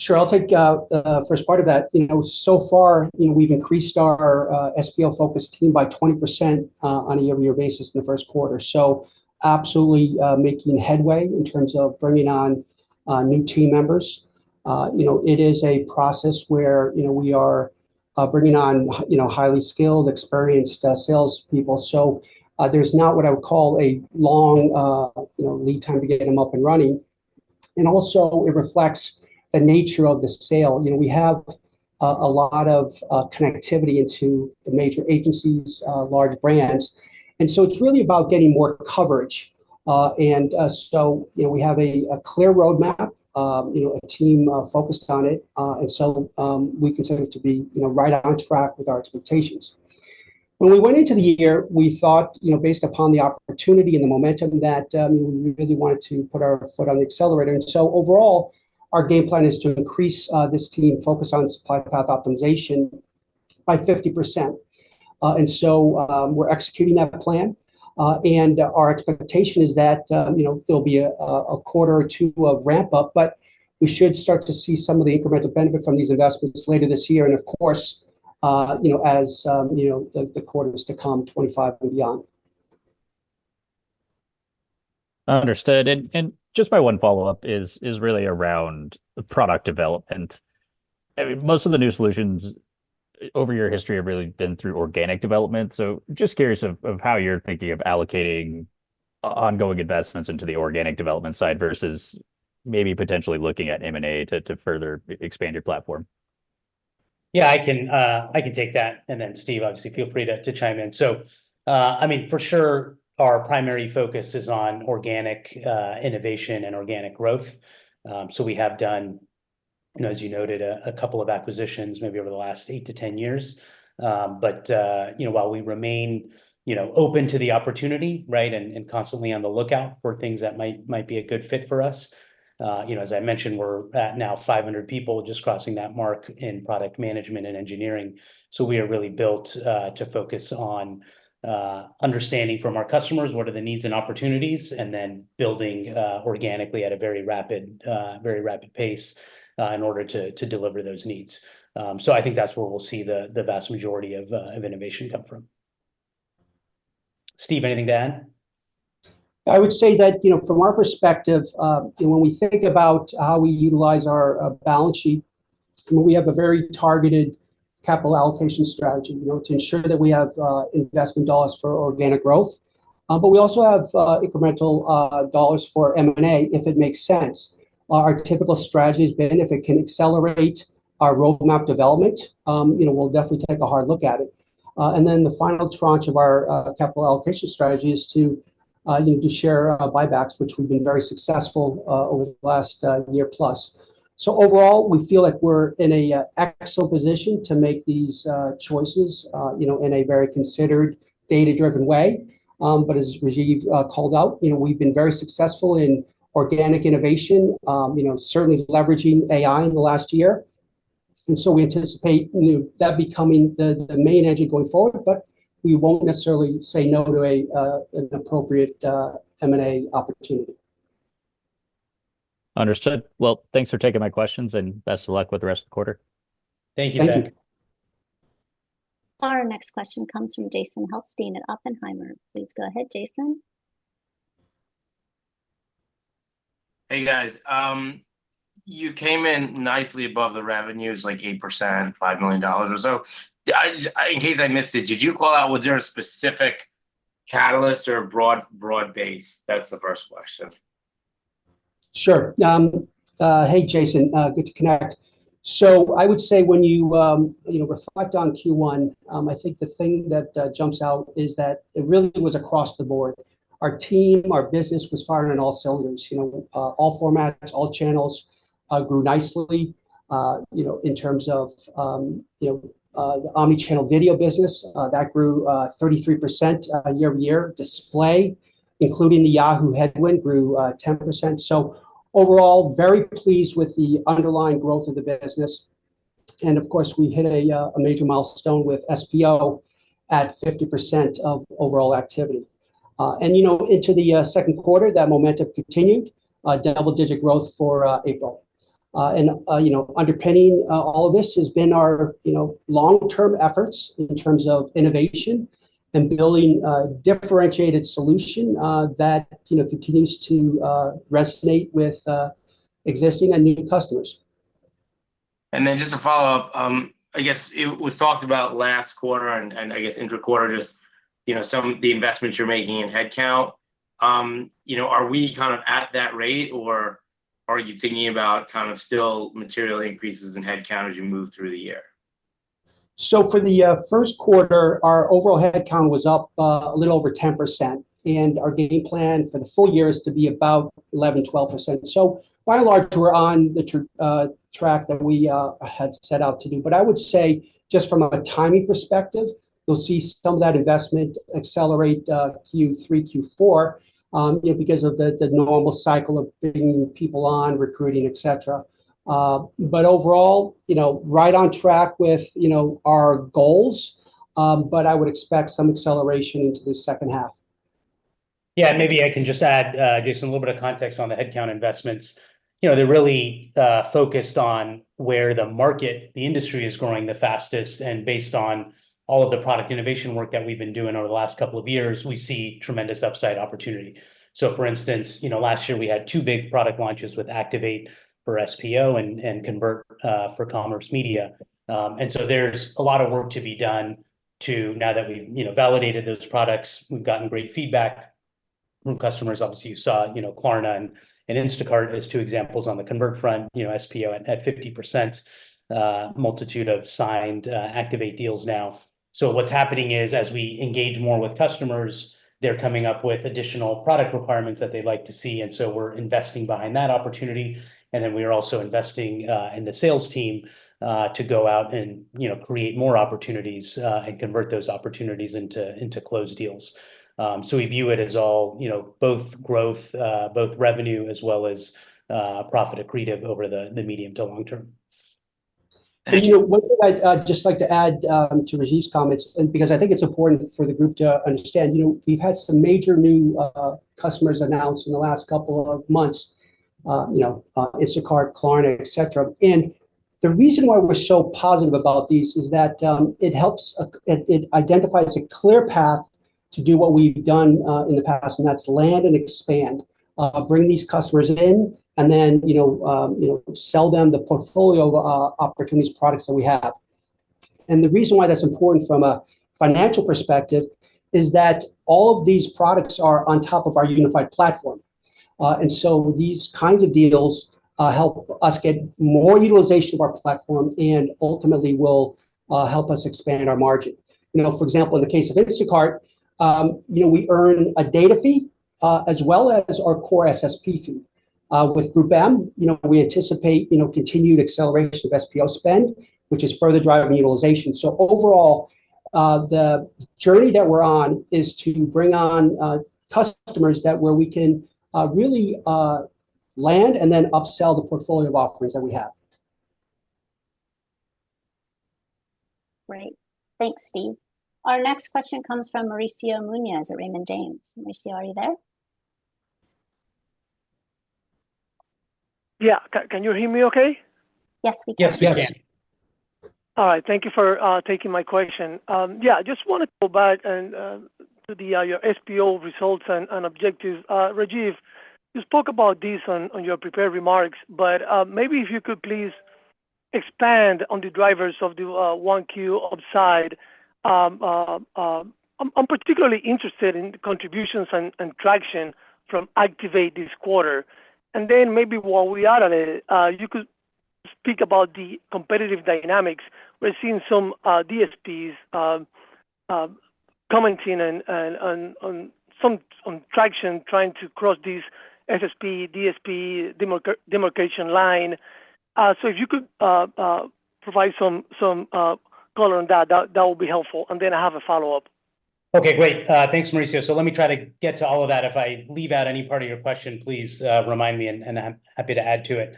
Sure. I'll take the first part of that. You know, so far, you know, we've increased our SPO-focused team by 20%, on a year-over-year basis in the first quarter. So absolutely, making headway in terms of bringing on new team members. You know, it is a process where, you know, we are bringing on, you know, highly skilled, experienced salespeople. So, there's not what I would call a long, you know, lead time to get them up and running. And also, it reflects the nature of the sale. You know, we have a lot of connectivity into the major agencies, large brands, and so it's really about getting more coverage. And so, you know, we have a clear roadmap, you know, a team focused on it. And so, we consider to be, you know, right on track with our expectations. When we went into the year, we thought, you know, based upon the opportunity and the momentum, that, we really wanted to put our foot on the accelerator. And so overall, our game plan is to increase, this team focused on supply path optimization by 50%. And so, we're executing that plan. And our expectation is that, you know, there'll be a quarter or two of ramp-up, but we should start to see some of the incremental benefit from these investments later this year. And of course, you know, as, you know, the quarters to come, 2025 and beyond. Understood. And just my one follow-up is really around the product development. I mean, most of the new solutions over your history have really been through organic development. So just curious of how you're thinking of allocating ongoing investments into the organic development side versus maybe potentially looking at M&A to further expand your platform. Yeah, I can, I can take that, and then Steve, obviously feel free to, to chime in. So, I mean, for sure, our primary focus is on organic innovation and organic growth. So we have done, you know, as you noted, a couple of acquisitions maybe over the last 8-10 years. But, you know, while we remain, you know, open to the opportunity, right, and constantly on the lookout for things that might, might be a good fit for us, you know, as I mentioned, we're at now 500 people, just crossing that mark in product management and engineering. So we are really built to focus on understanding from our customers what are the needs and opportunities, and then building organically at a very rapid, very rapid pace in order to, to deliver those needs. So I think that's where we'll see the, the vast majority of, of innovation come from. Steve, anything to add? I would say that, you know, from our perspective, when we think about how we utilize our balance sheet, we have a very targeted capital allocation strategy, you know, to ensure that we have investment dollars for organic growth. But we also have incremental dollars for M&A, if it makes sense. Our typical strategy has been, if it can accelerate our roadmap development, you know, we'll definitely take a hard look at it. And then the final tranche of our capital allocation strategy is to, you know, to share buybacks, which we've been very successful over the last year plus. So overall, we feel like we're in an excellent position to make these choices, you know, in a very considered, data-driven way. But as Rajeev called out, you know, we've been very successful in organic innovation, you know, certainly leveraging AI in the last year. And so we anticipate, you know, that becoming the main engine going forward, but we won't necessarily say no to an appropriate M&A opportunity. Understood. Well, thanks for taking my questions, and best of luck with the rest of the quarter. Thank you, Zach. Our next question comes from Jason Helfstein at Oppenheimer. Please go ahead, Jason. Hey, guys. You came in nicely above the revenues, like 8%, $5 million or so. In case I missed it, did you call out, was there a specific catalyst or a broad, broad base? That's the first question. ... Sure. Hey, Jason, good to connect. So I would say when you, you know, reflect on Q1, I think the thing that jumps out is that it really was across the board. Our team, our business was firing on all cylinders. You know, all formats, all channels, grew nicely, you know, in terms of, the Omni-channel video business, that grew 33%, year-over-year. Display, including the Yahoo headwind, grew 10%. So overall, very pleased with the underlying growth of the business, and of course, we hit a major milestone with SPO at 50% of overall activity. And, you know, into the second quarter, that momentum continued, double-digit growth for April. You know, underpinning all of this has been our you know, long-term efforts in terms of innovation and building a differentiated solution that you know continues to resonate with existing and new customers. And then just to follow up, I guess it was talked about last quarter, and I guess intra quarter just, you know, some of the investments you're making in headcount. You know, are we kind of at that rate, or are you thinking about kind of still material increases in headcount as you move through the year? So for the first quarter, our overall headcount was up a little over 10%, and our guided plan for the full year is to be about 11%-12%. So by and large, we're on the track that we had set out to do. But I would say, just from a timing perspective, you'll see some of that investment accelerate Q3, Q4, you know, because of the normal cycle of bringing people on, recruiting, et cetera. But overall, you know, right on track with you know, our goals, but I would expect some acceleration into the second half. Yeah, and maybe I can just add just a little bit of context on the headcount investments. You know, they're really focused on where the market, the industry is growing the fastest, and based on all of the product innovation work that we've been doing over the last couple of years, we see tremendous upside opportunity. So, for instance, you know, last year we had two big product launches with Activate for SPO and Convert for Commerce Media. And so there's a lot of work to be done to... Now that we've, you know, validated those products, we've gotten great feedback from customers. Obviously, you saw, you know, Klarna and Instacart as two examples on the Convert front, you know, SPO at 50%, multitude of signed Activate deals now. So what's happening is, as we engage more with customers, they're coming up with additional product requirements that they'd like to see, and so we're investing behind that opportunity. And then we are also investing in the sales team to go out and, you know, create more opportunities and convert those opportunities into closed deals. So we view it as all, you know, both growth, both revenue, as well as profit accretive over the medium to long term. You know, what I'd just like to add to Rajeev's comments, and because I think it's important for the group to understand, you know, we've had some major new customers announced in the last couple of months, you know, Instacart, Klarna, et cetera. And the reason why we're so positive about this is that it identifies a clear path to do what we've done in the past, and that's land and expand. Bring these customers in, and then, you know, sell them the portfolio of opportunities, products that we have. And the reason why that's important from a financial perspective is that all of these products are on top of our unified platform. These kinds of deals help us get more utilization of our platform and ultimately will help us expand our margin. You know, for example, in the case of Instacart, you know, we earn a data fee as well as our core SSP fee. With GroupM, you know, we anticipate, you know, continued acceleration of SPO spend, which is further driving utilization. So overall, the journey that we're on is to bring on customers that where we can really land and then upsell the portfolio of offerings that we have. Great. Thanks, Steve. Our next question comes from Mauricio Munoz at Raymond James. Mauricio, are you there? Yeah. Can you hear me okay? Yes, we can. Yes, we can. Yes. All right. Thank you for taking my question. Yeah, I just wanted to go back and to the your SPO results and objectives. Rajeev, you spoke about this on your prepared remarks, but maybe if you could please expand on the drivers of the 1Q upside. I'm particularly interested in the contributions and traction from Activate this quarter. And then maybe while we're at it, you could speak about the competitive dynamics. We're seeing some DSPs commenting on traction, trying to cross this SSP, DSP, demarcation line. So if you could provide some color on that, that would be helpful. And then I have a follow-up. Okay, great. Thanks, Mauricio. So let me try to get to all of that. If I leave out any part of your question, please, remind me, and, and I'm happy to add to it.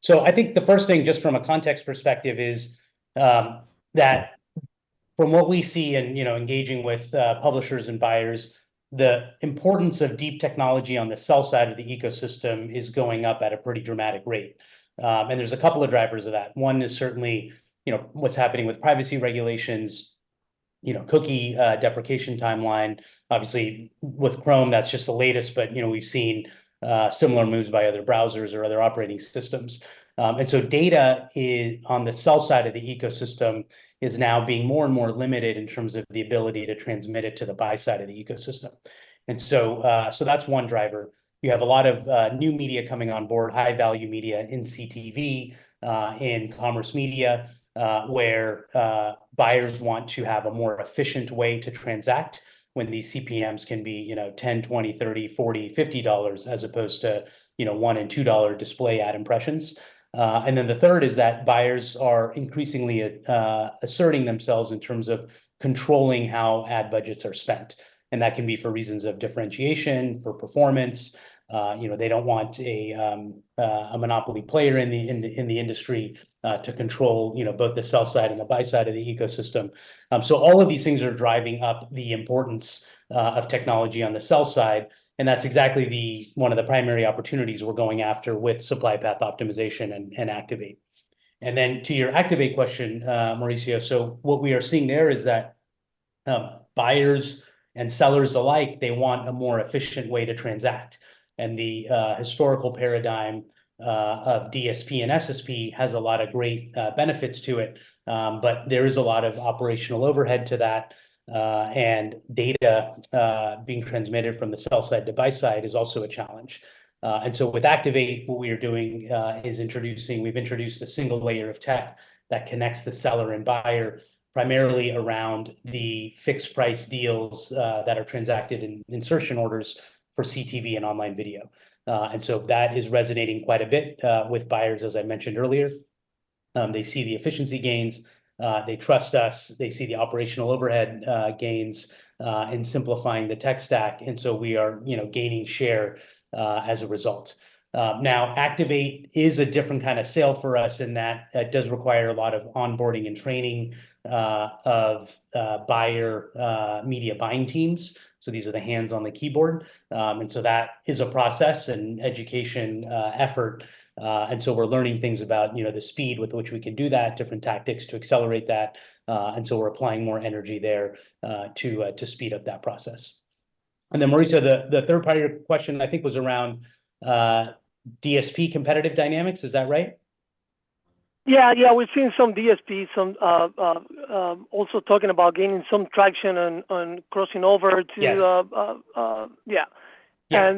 So I think the first thing, just from a context perspective, is, that from what we see and, you know, engaging with, publishers and buyers, the importance of deep technology on the sell side of the ecosystem is going up at a pretty dramatic rate. And there's a couple of drivers of that. One is certainly, you know, what's happening with privacy regulations.... you know, cookie, deprecation timeline, obviously with Chrome, that's just the latest. But, you know, we've seen, similar moves by other browsers or other operating systems. And so data is on the sell side of the ecosystem is now being more and more limited in terms of the ability to transmit it to the buy side of the ecosystem. And so, so that's one driver. You have a lot of, new media coming on board, high-value media in CTV, in commerce media, where, buyers want to have a more efficient way to transact when these CPMs can be, you know, $10, $20, $30, $40, $50 as opposed to, you know, $1 and $2 display ad impressions. And then the third is that buyers are increasingly, asserting themselves in terms of controlling how ad budgets are spent, and that can be for reasons of differentiation, for performance. You know, they don't want a monopoly player in the industry to control, you know, both the sell side and the buy side of the ecosystem. So all of these things are driving up the importance of technology on the sell side, and that's exactly one of the primary opportunities we're going after with supply path optimization and Activate. And then to your Activate question, Mauricio, so what we are seeing there is that buyers and sellers alike, they want a more efficient way to transact. And the historical paradigm of DSP and SSP has a lot of great benefits to it. But there is a lot of operational overhead to that, and data being transmitted from the sell side to buy side is also a challenge. With Activate, what we are doing is introducing. We've introduced a single layer of tech that connects the seller and buyer primarily around the fixed price deals that are transacted in insertion orders for CTV and online video. And so that is resonating quite a bit with buyers, as I mentioned earlier. They see the efficiency gains, they trust us, they see the operational overhead gains in simplifying the tech stack, and so we are, you know, gaining share as a result. Now, Activate is a different kind of sale for us, and that, that does require a lot of onboarding and training of buyer media buying teams. So these are the hands on the keyboard. And so that is a process and education effort. And so we're learning things about, you know, the speed with which we can do that, different tactics to accelerate that. And so we're applying more energy there to speed up that process. And then, Mauricio, the third part of your question, I think, was around DSP competitive dynamics. Is that right? Yeah, yeah, we've seen some DSP, some, also talking about gaining some traction on, on crossing over to, Yes. Yeah. Yeah.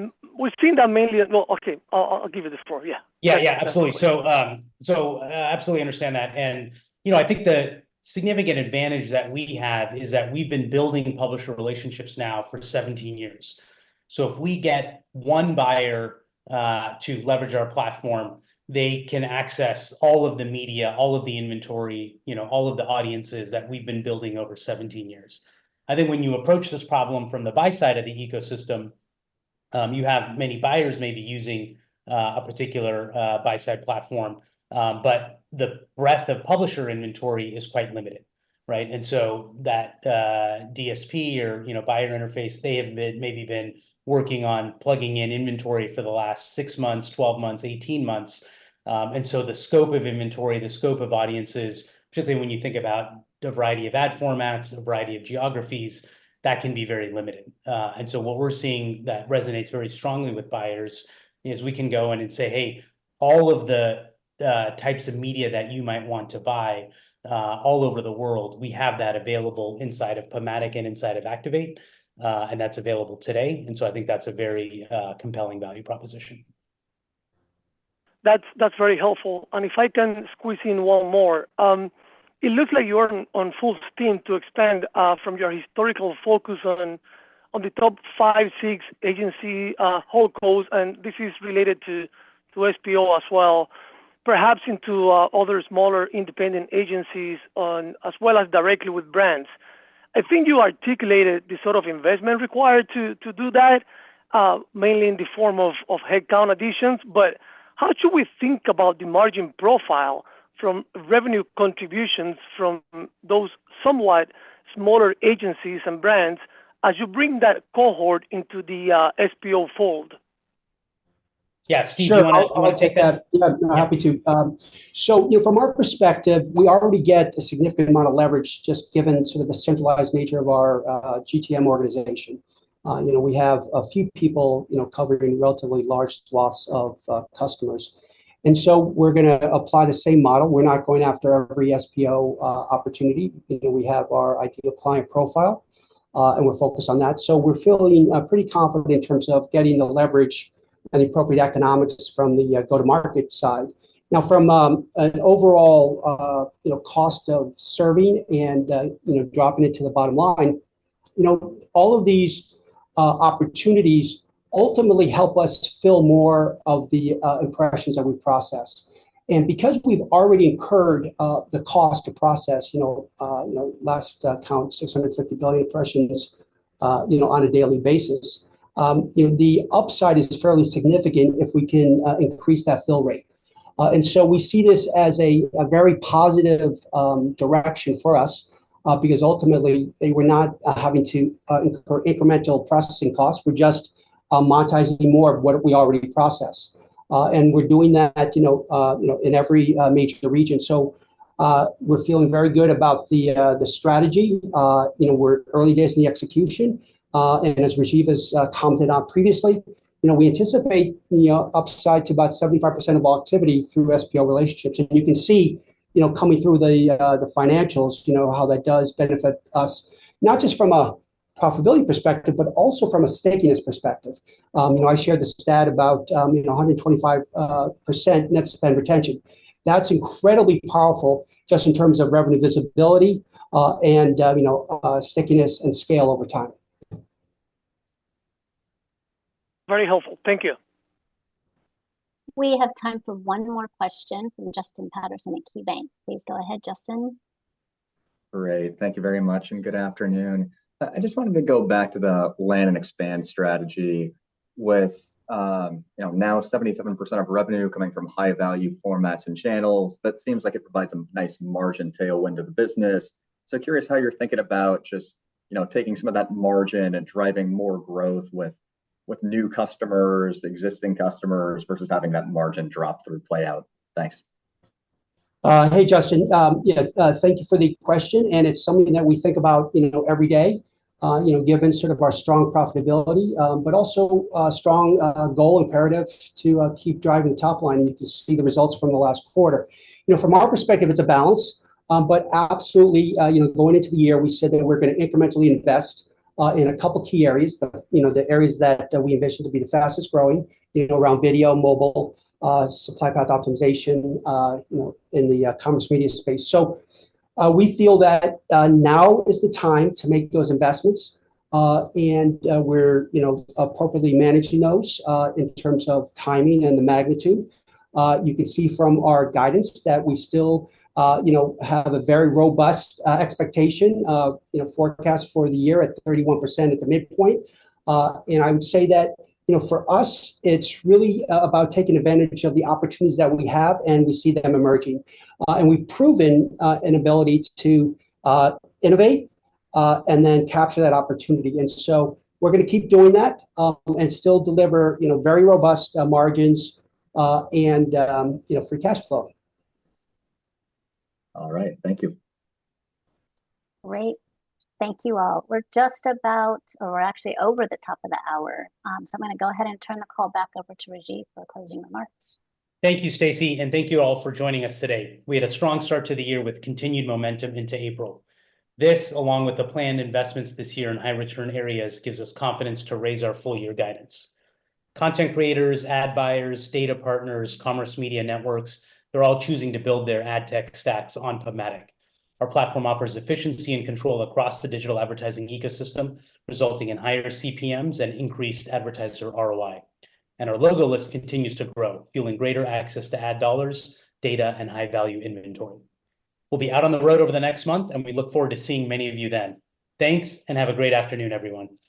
No, okay, I'll give you the floor. Yeah. Yeah, yeah, absolutely. So, so I absolutely understand that. And, you know, I think the significant advantage that we have is that we've been building publisher relationships now for 17 years. So if we get one buyer, to leverage our platform, they can access all of the media, all of the inventory, you know, all of the audiences that we've been building over 17 years. I think when you approach this problem from the buy-side of the ecosystem, you have many buyers maybe using a particular buy-side platform. But the breadth of publisher inventory is quite limited, right? And so that, DSP or, you know, buyer interface, they have been, maybe been working on plugging in inventory for the last 6 months, 12 months, 18 months. And so the scope of inventory, the scope of audiences, particularly when you think about the variety of ad formats and a variety of geographies, that can be very limited. And so what we're seeing that resonates very strongly with buyers is we can go in and say, "Hey, all of the types of media that you might want to buy, all over the world, we have that available inside of PubMatic and inside of Activate," and that's available today. And so I think that's a very compelling value proposition. That's, that's very helpful. And if I can squeeze in one more. It looks like you're on full steam to expand from your historical focus on the top five, six agency holdcos, and this is related to SPO as well, perhaps into other smaller independent agencies, as well as directly with brands. I think you articulated the sort of investment required to do that, mainly in the form of headcount additions. But how should we think about the margin profile from revenue contributions from those somewhat smaller agencies and brands as you bring that cohort into the SPO fold? Yes, sure. I'll take that. Yeah, happy to. So, you know, from our perspective, we already get a significant amount of leverage, just given sort of the centralized nature of our GTM organization. You know, we have a few people, you know, covering relatively large swaths of customers. And so we're gonna apply the same model. We're not going after every SPO opportunity. We have our ideal client profile, and we're focused on that. So we're feeling pretty confident in terms of getting the leverage and the appropriate economics from the go-to-market side. Now, from an overall, you know, cost of serving and, you know, dropping it to the bottom line, you know, all of these opportunities ultimately help us to fill more of the impressions that we process. And because we've already incurred the cost to process, you know, last count, 650 billion impressions, you know, on a daily basis, you know, the upside is fairly significant if we can increase that fill rate. And so we see this as a very positive direction for us, because ultimately we're not having to incur incremental processing costs. We're just monetizing more of what we already process.... and we're doing that, you know, in every major region. So, we're feeling very good about the strategy. You know, we're early days in the execution. And as Rajeev has commented on previously, you know, we anticipate, you know, upside to about 75% of our activity through SSP relationships. You can see, you know, coming through the financials, you know, how that does benefit us, not just from a profitability perspective, but also from a stickiness perspective. You know, I shared the stat about, you know, 125% net spend retention. That's incredibly powerful just in terms of revenue visibility, and, you know, stickiness and scale over time. Very helpful. Thank you. We have time for one more question from Justin Patterson at KeyBanc. Please go ahead, Justin. Great. Thank you very much, and good afternoon. I just wanted to go back to the land and expand strategy with, you know, now 77% of revenue coming from high-value formats and channels. That seems like it provides a nice margin tailwind to the business. So curious how you're thinking about just, you know, taking some of that margin and driving more growth with, with new customers, existing customers, versus having that margin drop through playout. Thanks. Hey, Justin. Yeah, thank you for the question, and it's something that we think about, you know, every day, you know, given sort of our strong profitability, but also, a strong goal imperative to keep driving the top line, and you can see the results from the last quarter. You know, from our perspective, it's a balance, but absolutely, you know, going into the year, we said that we're gonna incrementally invest in a couple key areas. The areas that we envision to be the fastest growing, you know, around video, mobile, supply path optimization, you know, in the commerce media space. So, we feel that now is the time to make those investments. And we're, you know, appropriately managing those in terms of timing and the magnitude. You can see from our guidance that we still, you know, have a very robust, expectation, you know, forecast for the year at 31% at the midpoint. And I would say that, you know, for us, it's really about taking advantage of the opportunities that we have, and we see them emerging. And we've proven an ability to innovate and then capture that opportunity. And so we're gonna keep doing that, and still deliver, you know, very robust, margins, and, you know, free cash flow. All right. Thank you. Great. Thank you, all. We're just about... or we're actually over the top of the hour. So I'm gonna go ahead and turn the call back over to Rajeev for closing remarks. Thank you, Stacy, and thank you all for joining us today. We had a strong start to the year with continued momentum into April. This, along with the planned investments this year in high-return areas, gives us confidence to raise our full-year guidance. Content creators, ad buyers, data partners, commerce media networks, they're all choosing to build their ad tech stacks on PubMatic. Our platform offers efficiency and control across the digital advertising ecosystem, resulting in higher CPMs and increased advertiser ROI. Our logo list continues to grow, fueling greater access to ad dollars, data, and high-value inventory. We'll be out on the road over the next month, and we look forward to seeing many of you then. Thanks, and have a great afternoon, everyone.